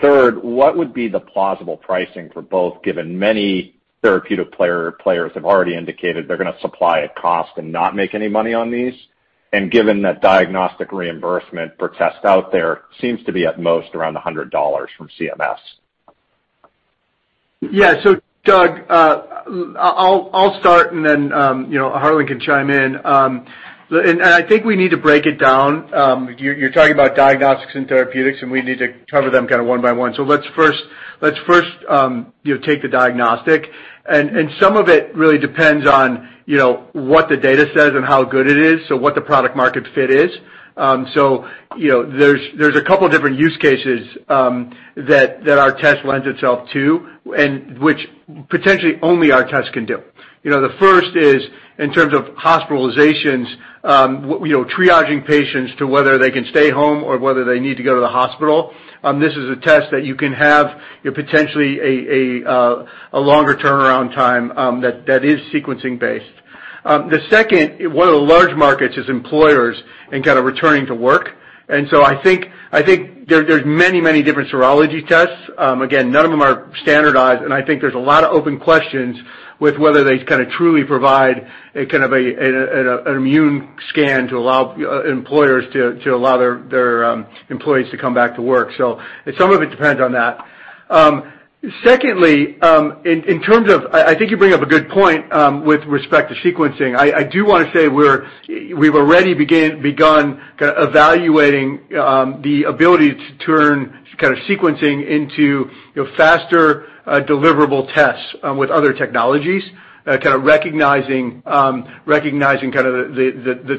Speaker 8: Third, what would be the plausible pricing for both, given many therapeutic players have already indicated they're going to supply at cost and not make any money on these, and given that diagnostic reimbursement for tests out there seems to be at most around $100 from CMS?
Speaker 3: Yeah. Doug, I'll start and then Harlan can chime in. I think we need to break it down. You're talking about diagnostics and therapeutics, and we need to cover them one by one. Let's first take the diagnostic, and some of it really depends on what the data says and how good it is, so what the product market fit is. There's a couple different use cases that our test lends itself to, and which potentially only our test can do. The first is in terms of hospitalizations, triaging patients to whether they can stay home or whether they need to go to the hospital. This is a test that you can have potentially a longer turnaround time, that is sequencing based. The second, one of the large markets is employers and returning to work. I think there's many, many different serology tests. Again, none of them are standardized, and I think there's a lot of open questions with whether they truly provide an immune scan to allow employers to allow their employees to come back to work. Some of it depends on that. Secondly, I think you bring up a good point with respect to sequencing. I do want to say we've already begun evaluating the ability to turn sequencing into faster deliverable tests with other technologies, recognizing the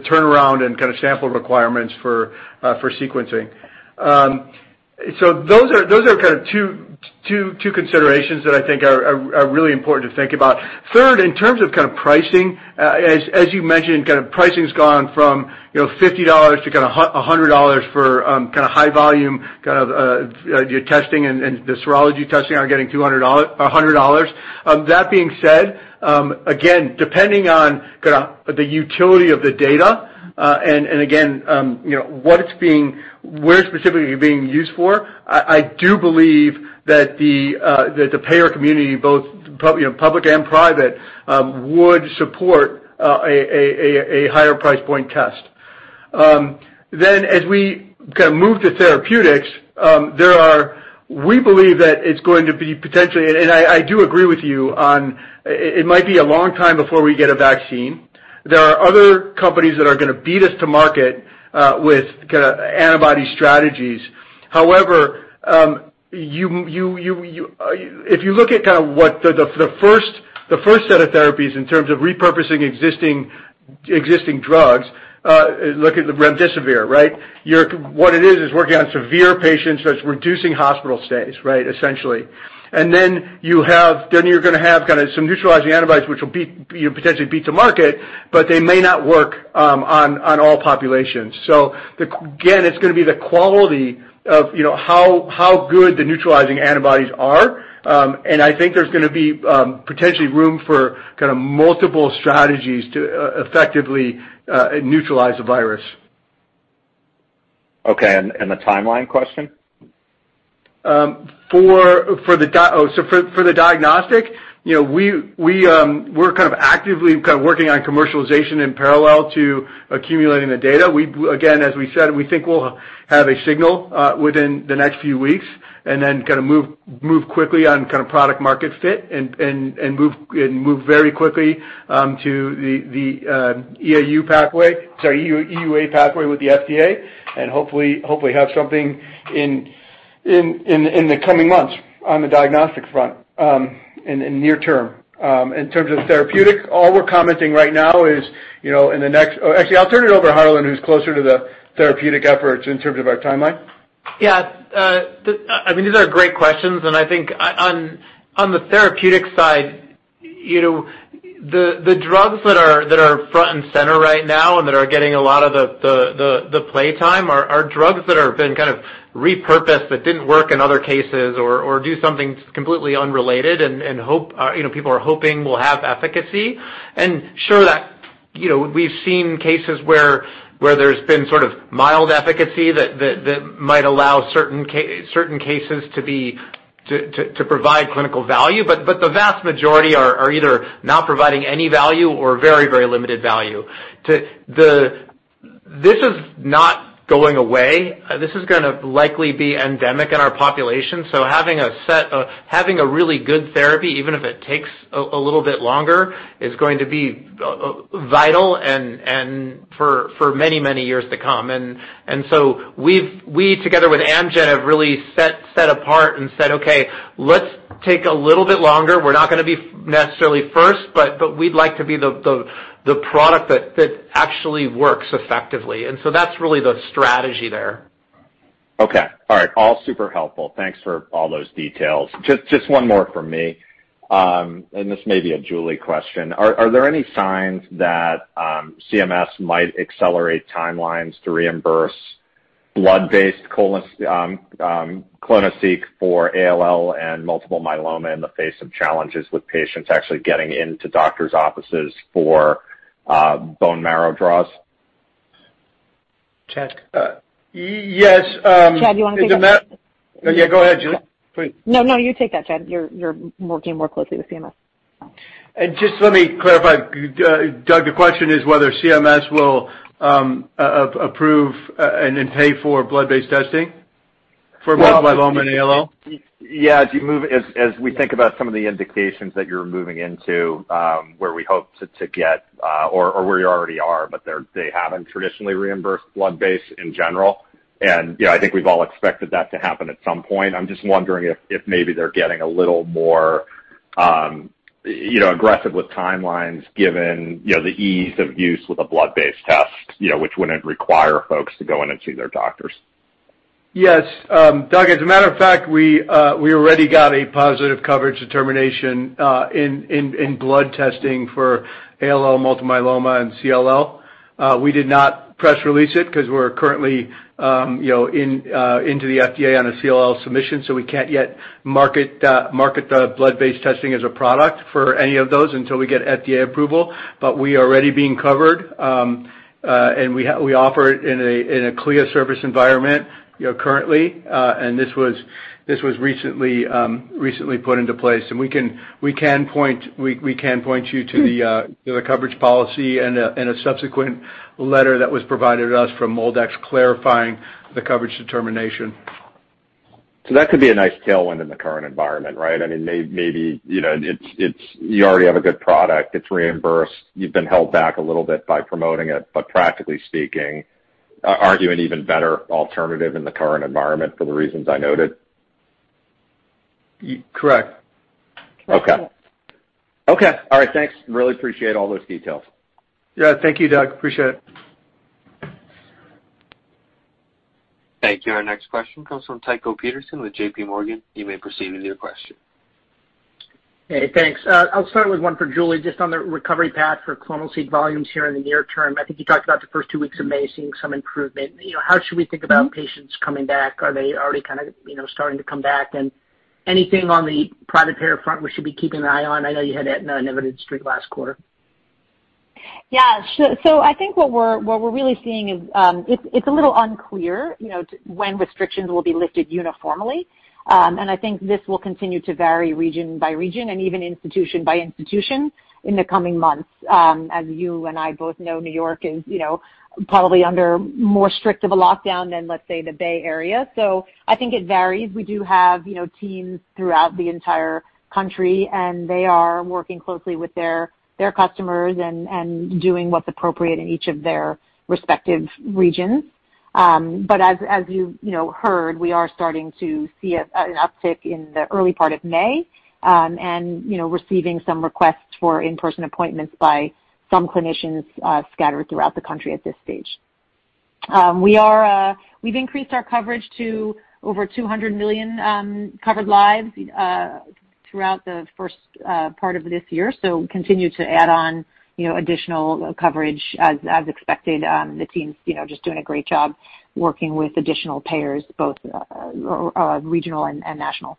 Speaker 3: turnaround and sample requirements for sequencing. Those are two considerations that I think are really important to think about. Third, in terms of pricing, as you mentioned, pricing's gone from $50 to $100 for high volume testing, and the serology testing are getting $100. That being said, again, depending on the utility of the data, and again where specifically you're being used for, I do believe that the payer community, both public and private, would support a higher price point test. As we move to therapeutics, we believe that it's going to be potentially, and I do agree with you on it might be a long time before we get a vaccine. There are other companies that are going to beat us to market with antibody strategies. If you look at the first set of therapies in terms of repurposing existing drugs, look at the remdesivir, right? What it is working on severe patients, so it's reducing hospital stays, right, essentially. You're going to have some neutralizing antibodies, which will potentially beat to market, but they may not work on all populations. Again, it's going to be the quality of how good the neutralizing antibodies are, and I think there's going to be potentially room for multiple strategies to effectively neutralize the virus.
Speaker 8: Okay, the timeline question?
Speaker 3: For the diagnostic, we're actively working on commercialization in parallel to accumulating the data. Again, as we said, we think we'll have a signal within the next few weeks and then move quickly on product market fit and move very quickly to the EUA pathway with the FDA and hopefully have something in the coming months on the diagnostics front in near term. In terms of therapeutics, all we're commenting right now is actually, I'll turn it over to Harlan, who's closer to the therapeutic efforts in terms of our timeline.
Speaker 7: Yeah. These are great questions, and I think on the therapeutic side, the drugs that are front and center right now and that are getting a lot of the play time are drugs that have been repurposed that didn't work in other cases or do something completely unrelated and people are hoping will have efficacy. Sure, we've seen cases where there's been sort of mild efficacy that might allow certain cases to provide clinical value, but the vast majority are either not providing any value or very limited value. This is not going away. This is going to likely be endemic in our population, so having a really good therapy, even if it takes a little bit longer, is going to be vital and for many years to come. We, together with Amgen, have really set apart and said, 'Okay, let's take a little bit longer. We're not going to be necessarily first, but we'd like to be the product that actually works effectively. That's really the strategy there.
Speaker 8: Okay. All right. All super helpful. Thanks for all those details. Just one more from me, and this may be a Julie question. Are there any signs that CMS might accelerate timelines to reimburse blood-based clonoSEQ for ALL and multiple myeloma in the face of challenges with patients actually getting into doctors' offices for bone marrow draws?
Speaker 7: Chad?
Speaker 3: Yes.
Speaker 4: Chad, you want to take that?
Speaker 3: Yeah, go ahead, Julie. Please.
Speaker 4: No, you take that, Chad. You're working more closely with CMS.
Speaker 3: Just let me clarify, Doug, the question is whether CMS will approve and then pay for blood-based testing for multiple myeloma and ALL?
Speaker 8: Yeah, as we think about some of the indications that you're moving into where we hope to get or where you already are, but they haven't traditionally reimbursed blood-based in general, and I think we've all expected that to happen at some point. I'm just wondering if maybe they're getting a little more aggressive with timelines given the ease of use with a blood-based test which wouldn't require folks to go in and see their doctors.
Speaker 3: Yes. Doug, as a matter of fact, we already got a positive coverage determination in blood testing for ALL, multiple myeloma, and CLL. We did not press release it because we're currently into the FDA on a CLL submission, so we can't yet market the blood-based testing as a product for any of those until we get FDA approval. We are already being covered, and we offer it in a CLIA service environment currently. This was recently put into place, and we can point you to the coverage policy and a subsequent letter that was provided to us from MolDX clarifying the coverage determination.
Speaker 8: That could be a nice tailwind in the current environment, right? Maybe you already have a good product, it's reimbursed, you've been held back a little bit by promoting it. Practically speaking, aren't you an even better alternative in the current environment for the reasons I noted?
Speaker 3: Correct.
Speaker 8: Okay. All right, thanks. Really appreciate all those details.
Speaker 3: Yeah. Thank you, Doug. Appreciate it.
Speaker 1: Thank you. Our next question comes from Tycho Peterson with J.P. Morgan. You may proceed with your question.
Speaker 9: Hey, thanks. I'll start with one for Julie, just on the recovery path for clonoSEQ volumes here in the near term. I think you talked about the first two weeks of May seeing some improvement. How should we think about patients coming back? Are they already starting to come back? Anything on the private payer front we should be keeping an eye on? I know you had that evidence streak last quarter.
Speaker 4: I think what we're really seeing is, it's a little unclear when restrictions will be lifted uniformly. I think this will continue to vary region by region and even institution by institution in the coming months. As you and I both know, New York is probably under more strict of a lockdown than, let's say, the Bay Area. I think it varies. We do have teams throughout the entire country, and they are working closely with their customers and doing what's appropriate in each of their respective regions. As you heard, we are starting to see an uptick in the early part of May, and receiving some requests for in-person appointments by some clinicians scattered throughout the country at this stage. We've increased our coverage to over 200 million covered lives throughout the first part of this year. We continue to add on additional coverage as expected. The team's just doing a great job working with additional payers, both regional and national.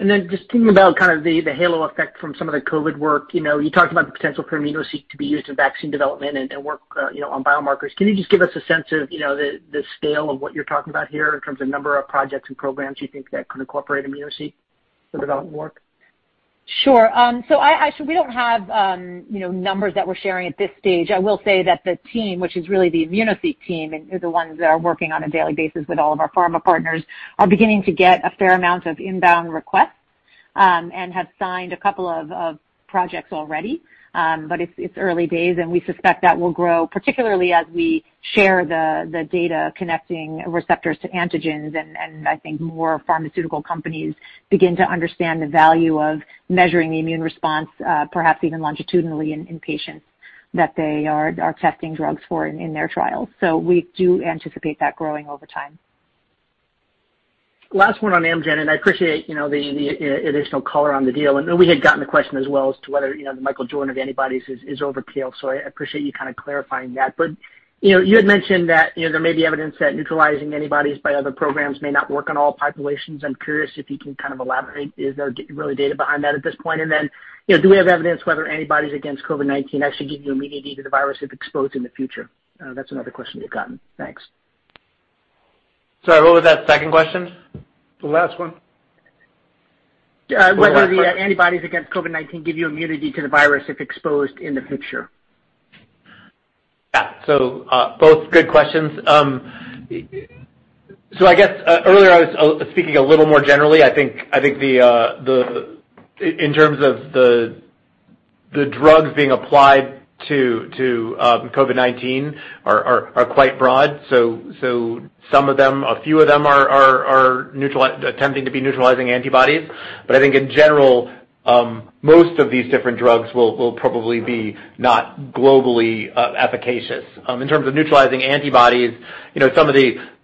Speaker 9: Just thinking about the halo effect from some of the COVID-19 work. You talked about the potential for immunoSEQ to be used in vaccine development and work on biomarkers. Can you just give us a sense of the scale of what you're talking about here in terms of number of projects and programs you think that could incorporate immunoSEQ for development work?
Speaker 4: Sure. We don't have numbers that we're sharing at this stage. I will say that the team, which is really the immunoSEQ team, are the ones that are working on a daily basis with all of our pharma partners, are beginning to get a fair amount of inbound requests and have signed a couple of projects already. It's early days, and we suspect that will grow, particularly as we share the data connecting receptors to antigens. I think more pharmaceutical companies begin to understand the value of measuring the immune response perhaps even longitudinally in patients that they are testing drugs for in their trials. We do anticipate that growing over time.
Speaker 9: Last one on Amgen, and I appreciate the additional color on the deal. We had gotten a question as well as to whether the Michael Jordan of antibodies is over appeal. I appreciate you clarifying that. You had mentioned that there may be evidence that neutralizing antibodies by other programs may not work on all populations. I'm curious if you can elaborate. Is there really data behind that at this point? Then, do we have evidence whether antibodies against COVID-19 actually give you immunity to the virus if exposed in the future? That's another question we've gotten. Thanks.
Speaker 8: Sorry, what was that second question?
Speaker 3: The last one.
Speaker 9: Whether the antibodies against COVID-19 give you immunity to the virus if exposed in the future.
Speaker 7: Yeah. Both good questions. I guess earlier I was speaking a little more generally. I think in terms of the drugs being applied to COVID-19 are quite broad. Some of them, a few of them are attempting to be neutralizing antibodies. I think in general, most of these different drugs will probably be not globally efficacious. In terms of neutralizing antibodies,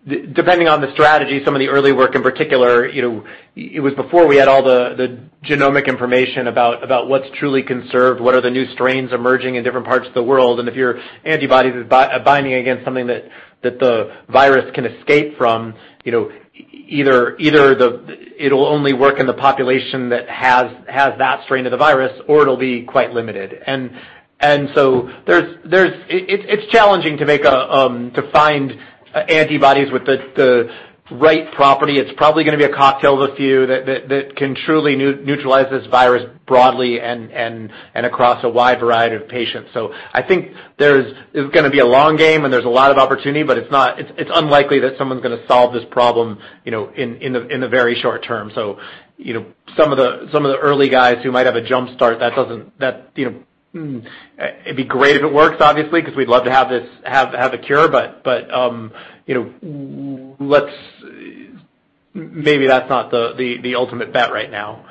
Speaker 7: depending on the strategy, some of the early work in particular, it was before we had all the genomic information about what's truly conserved, what are the new strains emerging in different parts of the world. If your antibody is binding against something that the virus can escape from, either it'll only work in the population that has that strain of the virus, or it'll be quite limited. It's challenging to find antibodies with the right property.
Speaker 8: It's probably going to be a cocktail of a few that can truly neutralize this virus broadly and across a wide variety of patients. I think there's going to be a long game and there's a lot of opportunity, but it's unlikely that someone's going to solve this problem in the very short term. Some of the early guys who might have a jump start, it'd be great if it works obviously because we'd love to have a cure, but maybe that's not the ultimate bet right now.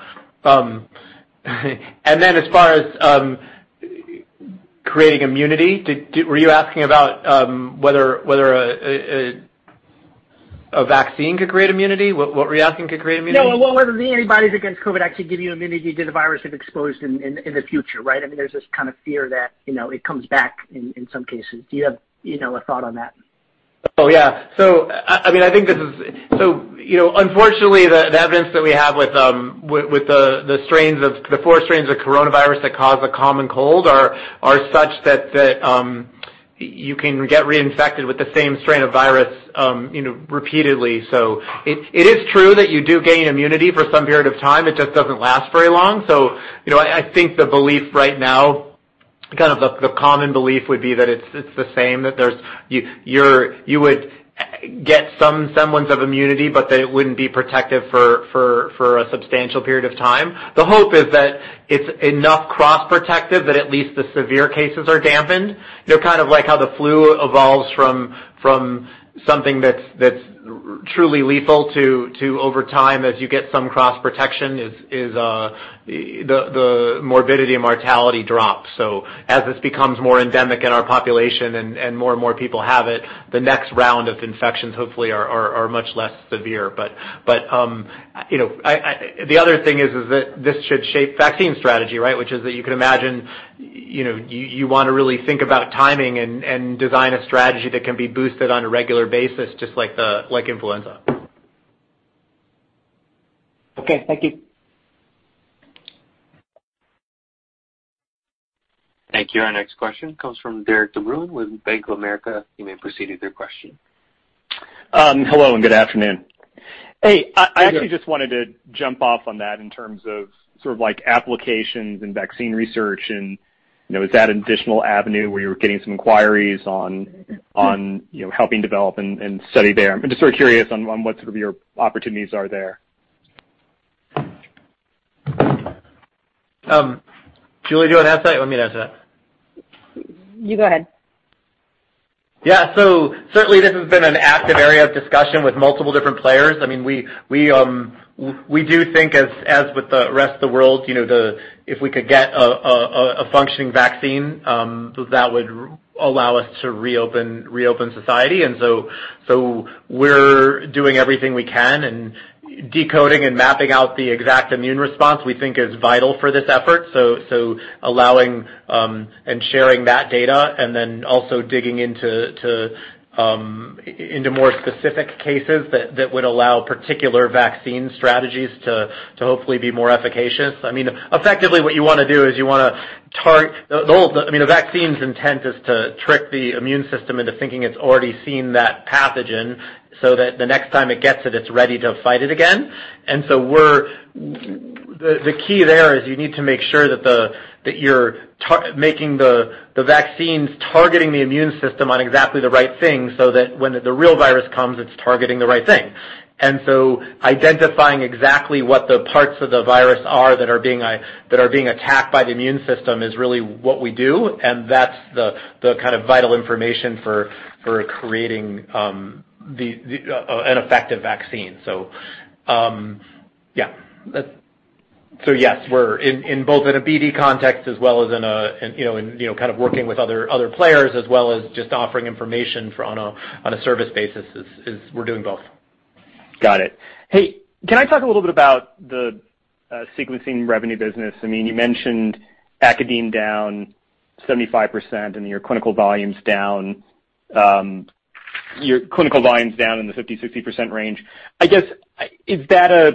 Speaker 8: As far as creating immunity, were you asking about whether a vaccine could create immunity? What were you asking could create immunity?
Speaker 9: No, well, whether the antibodies against COVID actually give you immunity to the virus if exposed in the future, right? There's this fear that it comes back in some cases. Do you have a thought on that?
Speaker 8: Yeah. Unfortunately, the evidence that we have with the four strains of coronavirus that cause the common cold are such that you can get reinfected with the same strain of virus repeatedly. It is true that you do gain immunity for some period of time. It just doesn't last very long. I think the belief right now
Speaker 7: Kind of the common belief would be that it's the same, that you would get some semblance of immunity, but that it wouldn't be protective for a substantial period of time. The hope is that it's enough cross-protective that at least the severe cases are dampened. Kind of like how the flu evolves from something that's truly lethal to over time, as you get some cross-protection, is the morbidity and mortality drops. As this becomes more endemic in our population and more and more people have it, the next round of infections, hopefully, are much less severe. The other thing is that this should shape vaccine strategy, right? Which is that you could imagine you want to really think about timing and design a strategy that can be boosted on a regular basis just like influenza.
Speaker 9: Okay. Thank you.
Speaker 1: Thank you. Our next question comes from Derik de Bruin with Bank of America. You may proceed with your question.
Speaker 10: Hello, and good afternoon.
Speaker 3: Hey. I actually just wanted to jump off on that in terms of applications and vaccine research and is that an additional avenue where you're getting some inquiries on helping develop and study there? I'm just sort of curious on what some of your opportunities are there.
Speaker 7: Julie, do you want to answer that or want me to answer that?
Speaker 4: You go ahead.
Speaker 7: Yeah. Certainly this has been an active area of discussion with multiple different players. We do think, as with the rest of the world, if we could get a functioning vaccine, that would allow us to reopen society. We're doing everything we can, and decoding and mapping out the exact immune response, we think is vital for this effort. Allowing and sharing that data and then also digging into more specific cases that would allow particular vaccine strategies to hopefully be more efficacious. Effectively, the vaccine's intent is to trick the immune system into thinking it's already seen that pathogen, so that the next time it gets it's ready to fight it again. The key there is you need to make sure that you're making the vaccines targeting the immune system on exactly the right thing, so that when the real virus comes, it's targeting the right thing. Identifying exactly what the parts of the virus are that are being attacked by the immune system is really what we do, and that's the kind of vital information for creating an effective vaccine. Yes. Both in a BD context as well as in kind of working with other players, as well as just offering information on a service basis, is we're doing both.
Speaker 10: Got it. Hey, can I talk a little bit about the sequencing revenue business? You mentioned academic down 75% and your clinical volumes down in the 50%-60% range. I guess, is that how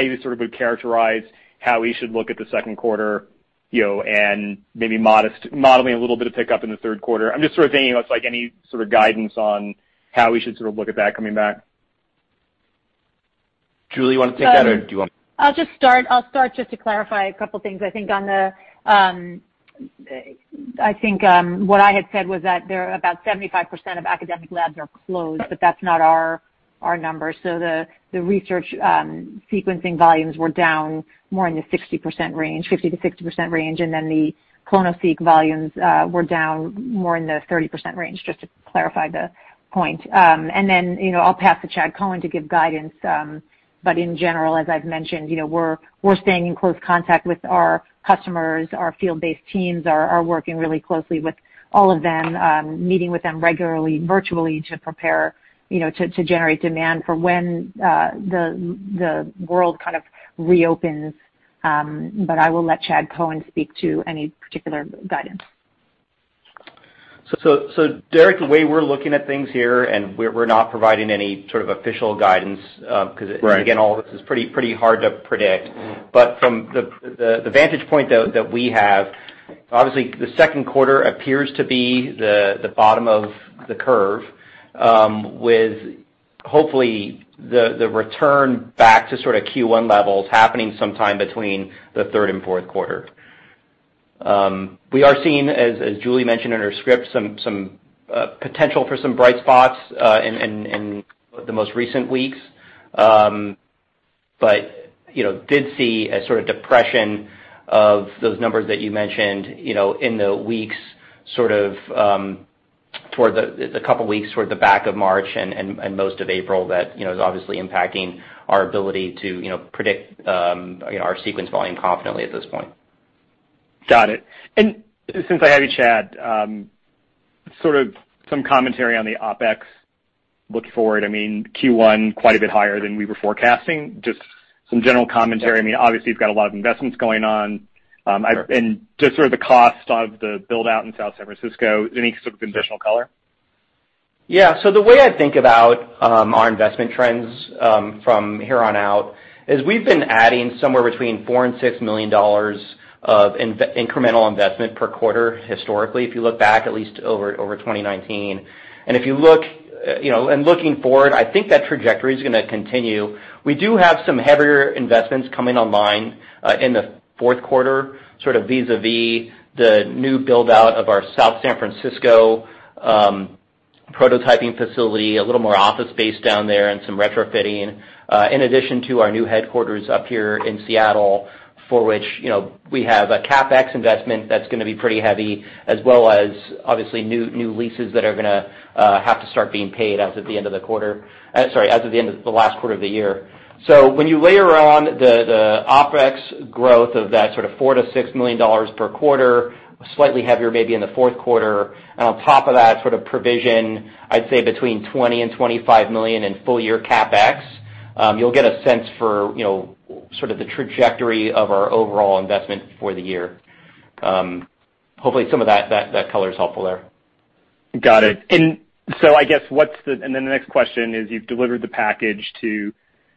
Speaker 10: you sort of would characterize how we should look at the second quarter, and maybe modeling a little bit of pickup in the third quarter? I'm just sort of thinking about any sort of guidance on how we should sort of look at that coming back.
Speaker 7: Julie, you want to take that or do you want?
Speaker 4: I'll start just to clarify a couple things. I think what I had said was that about 75% of academic labs are closed, that's not our numbers. The research sequencing volumes were down more in the 60% range, 50%-60% range, the clonoSEQ volumes were down more in the 30% range, just to clarify the point. I'll pass to Chad Cohen to give guidance. In general, as I've mentioned, we're staying in close contact with our customers. Our field-based teams are working really closely with all of them, meeting with them regularly, virtually, to prepare to generate demand for when the world kind of reopens. I will let Chad Cohen speak to any particular guidance.
Speaker 5: Derik, the way we're looking at things here, and we're not providing any sort of official guidance-
Speaker 10: Right Again, all this is pretty hard to predict. From the vantage point, though, that we have, obviously, the second quarter appears to be the bottom of the curve, with hopefully the return back to sort of Q1 levels happening sometime between the third and fourth quarter. We are seeing, as Julie mentioned in her script, some potential for some bright spots in the most recent weeks. Did see a sort of depression of those numbers that you mentioned in the couple weeks toward the back of March and most of April that is obviously impacting our ability to predict our sequence volume confidently at this point. Got it. Since I have you, Chad, sort of some commentary on the OpEx look forward. Q1, quite a bit higher than we were forecasting. Just some general commentary. Obviously, you've got a lot of investments going on.
Speaker 5: Sure. Just sort of the cost of the build-out in South San Francisco, any sort of additional color? Yeah. The way I think about our investment trends from here on out is we've been adding somewhere between $4 and $6 million of incremental investment per quarter historically, if you look back at least over 2019. Looking forward, I think that trajectory's going to continue. We do have some heavier investments coming online in the fourth quarter, sort of vis-a-vis the new build-out of our South San Francisco prototyping facility, a little more office space down there and some retrofitting, in addition to our new headquarters up here in Seattle, for which we have a CapEx investment that's going to be pretty heavy, as well as obviously new leases that are going to have to start being paid as of the last quarter of the year. When you layer on the OpEx growth of that sort of $4 million-$6 million per quarter, slightly heavier maybe in the fourth quarter, and on top of that sort of provision, I'd say between $20 million and $25 million in full-year CapEx. You'll get a sense for sort of the trajectory of our overall investment for the year. Hopefully, some of that color is helpful there.
Speaker 10: Got it. The next question is, you've delivered the package to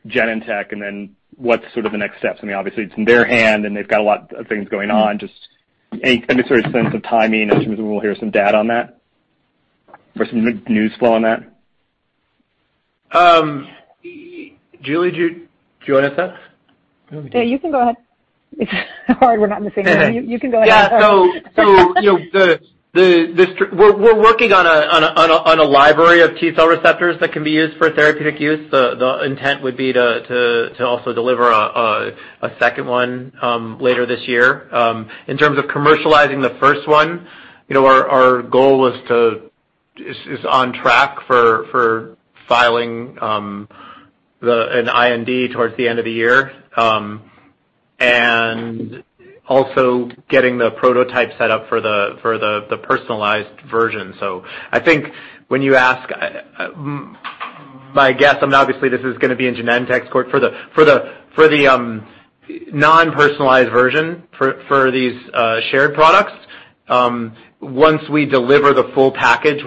Speaker 10: Genentech, and then what's sort of the next steps? I mean, obviously, it's in their hand, and they've got a lot of things going on. Just any sort of sense of timing in terms of when we'll hear some data on that? Or some news flow on that?
Speaker 7: Julie, do you want to set?
Speaker 4: You can go ahead. Sorry, we're not in the same room. You can go ahead.
Speaker 7: Yeah. We're working on a library of T-cell receptors that can be used for therapeutic use. The intent would be to also deliver a second one later this year. In terms of commercializing the first one, our goal is on track for filing an IND towards the end of the year. Also getting the prototype set up for the personalized version. I think when you ask, my guess, and obviously this is going to be in Genentech's court. For the non-personalized version, for these shared products, once we deliver the full package,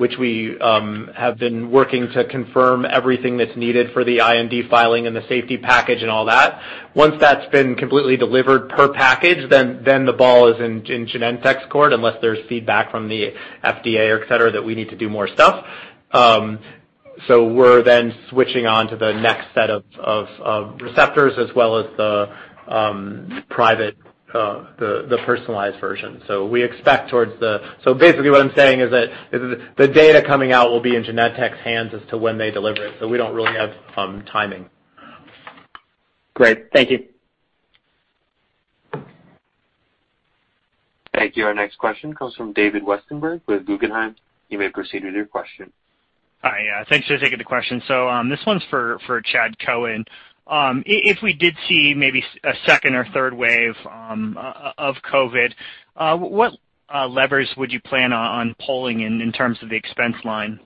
Speaker 7: which we have been working to confirm everything that's needed for the IND filing and the safety package and all that, once that's been completely delivered per package, then the ball is in Genentech's court, unless there's feedback from the FDA, et cetera, that we need to do more stuff. We're then switching on to the next set of receptors as well as the personalized version. Basically what I'm saying is that the data coming out will be in Genentech's hands as to when they deliver it. We don't really have timing.
Speaker 10: Great. Thank you.
Speaker 1: Thank you. Our next question comes from David Westenberg with Guggenheim. You may proceed with your question.
Speaker 11: Hi. Thanks for taking the question. This one's for Chad Cohen. If we did see maybe a second or third wave of COVID, what levers would you plan on pulling in terms of the expense line?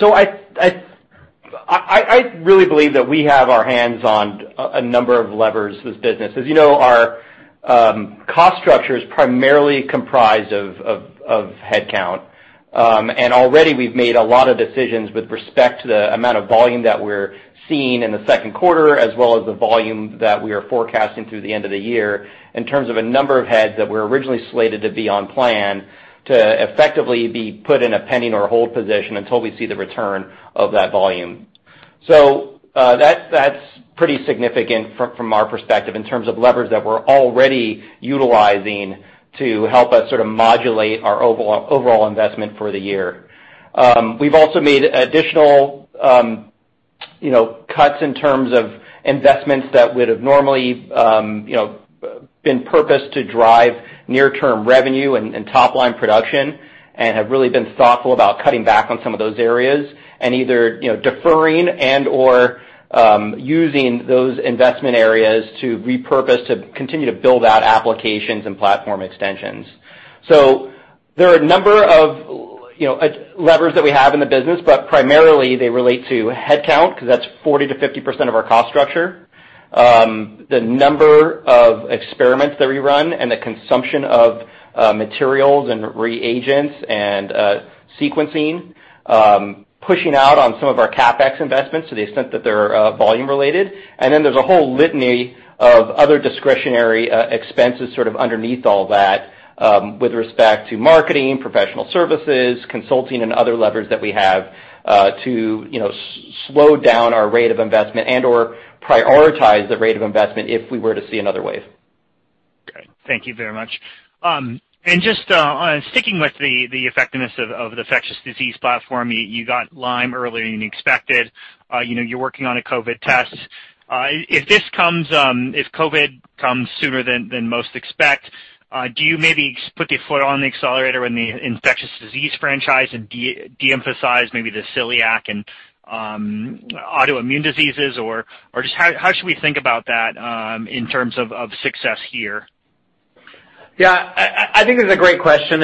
Speaker 5: I really believe that we have our hands on a number of levers with business. As you know, our cost structure is primarily comprised of headcount. Already we've made a lot of decisions with respect to the amount of volume that we're seeing in the second quarter, as well as the volume that we are forecasting through the end of the year, in terms of a number of heads that were originally slated to be on plan to effectively be put in a pending or hold position until we see the return of that volume. That's pretty significant from our perspective in terms of levers that we're already utilizing to help us sort of modulate our overall investment for the year. We've also made additional cuts in terms of investments that would've normally been purposed to drive near-term revenue and top-line production and have really been thoughtful about cutting back on some of those areas and either deferring and/or using those investment areas to repurpose to continue to build out applications and platform extensions. There are a number of levers that we have in the business, but primarily, they relate to headcount, because that's 40%-50% of our cost structure. The number of experiments that we run and the consumption of materials and reagents and sequencing. Pushing out on some of our CapEx investments to the extent that they're volume related. There's a whole litany of other discretionary expenses sort of underneath all that with respect to marketing, professional services, consulting, and other levers that we have to slow down our rate of investment and/or prioritize the rate of investment if we were to see another wave.
Speaker 11: Great. Thank you very much. Just sticking with the effectiveness of the infectious disease platform, you got Lyme earlier than expected. You're working on a COVID test. If COVID comes sooner than most expect, do you maybe put the foot on the accelerator in the infectious disease franchise and de-emphasize maybe the celiac and autoimmune diseases? Just how should we think about that in terms of success here?
Speaker 7: I think this is a great question.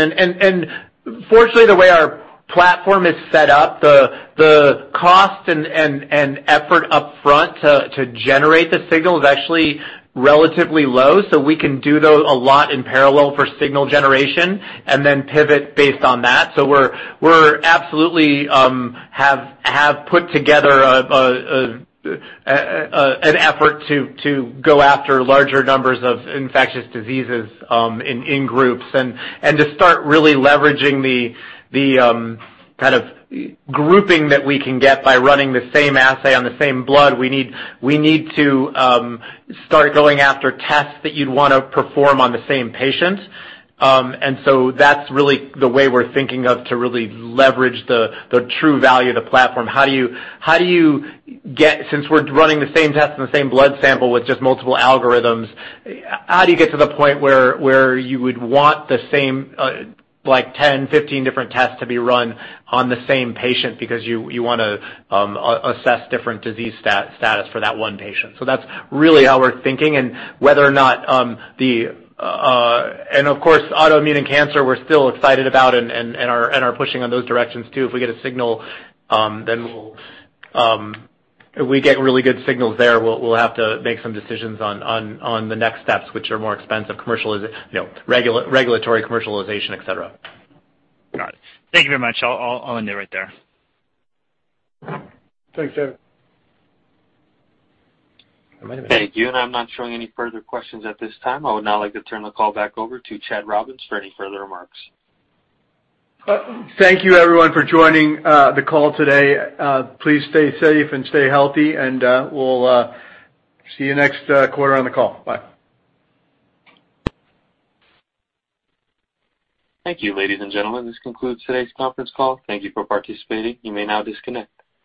Speaker 7: Fortunately, the way our platform is set up, the cost and effort up front to generate the signal is actually relatively low. We can do those a lot in parallel for signal generation and then pivot based on that. We absolutely have put together an effort to go after larger numbers of infectious diseases in groups and to start really leveraging the kind of grouping that we can get by running the same assay on the same blood. We need to start going after tests that you'd want to perform on the same patient. That's really the way we're thinking of to really leverage the true value of the platform. Since we're running the same test and the same blood sample with just multiple algorithms, how do you get to the point where you would want the same 10, 15 different tests to be run on the same patient because you want to assess different disease status for that one patient? That's really how we're thinking, and of course, autoimmune and cancer, we're still excited about and are pushing on those directions, too. If we get a signal, if we get really good signals there, we'll have to make some decisions on the next steps, which are more expensive, regulatory commercialization, et cetera.
Speaker 11: Got it. Thank you very much. I'll end it right there.
Speaker 3: Thanks, David.
Speaker 1: Thank you. I'm not showing any further questions at this time. I would now like to turn the call back over to Chad Robins for any further remarks.
Speaker 3: Thank you, everyone, for joining the call today. Please stay safe and stay healthy, and we'll see you next quarter on the call. Bye.
Speaker 1: Thank you, ladies and gentlemen. This concludes today's conference call. Thank you for participating. You may now disconnect.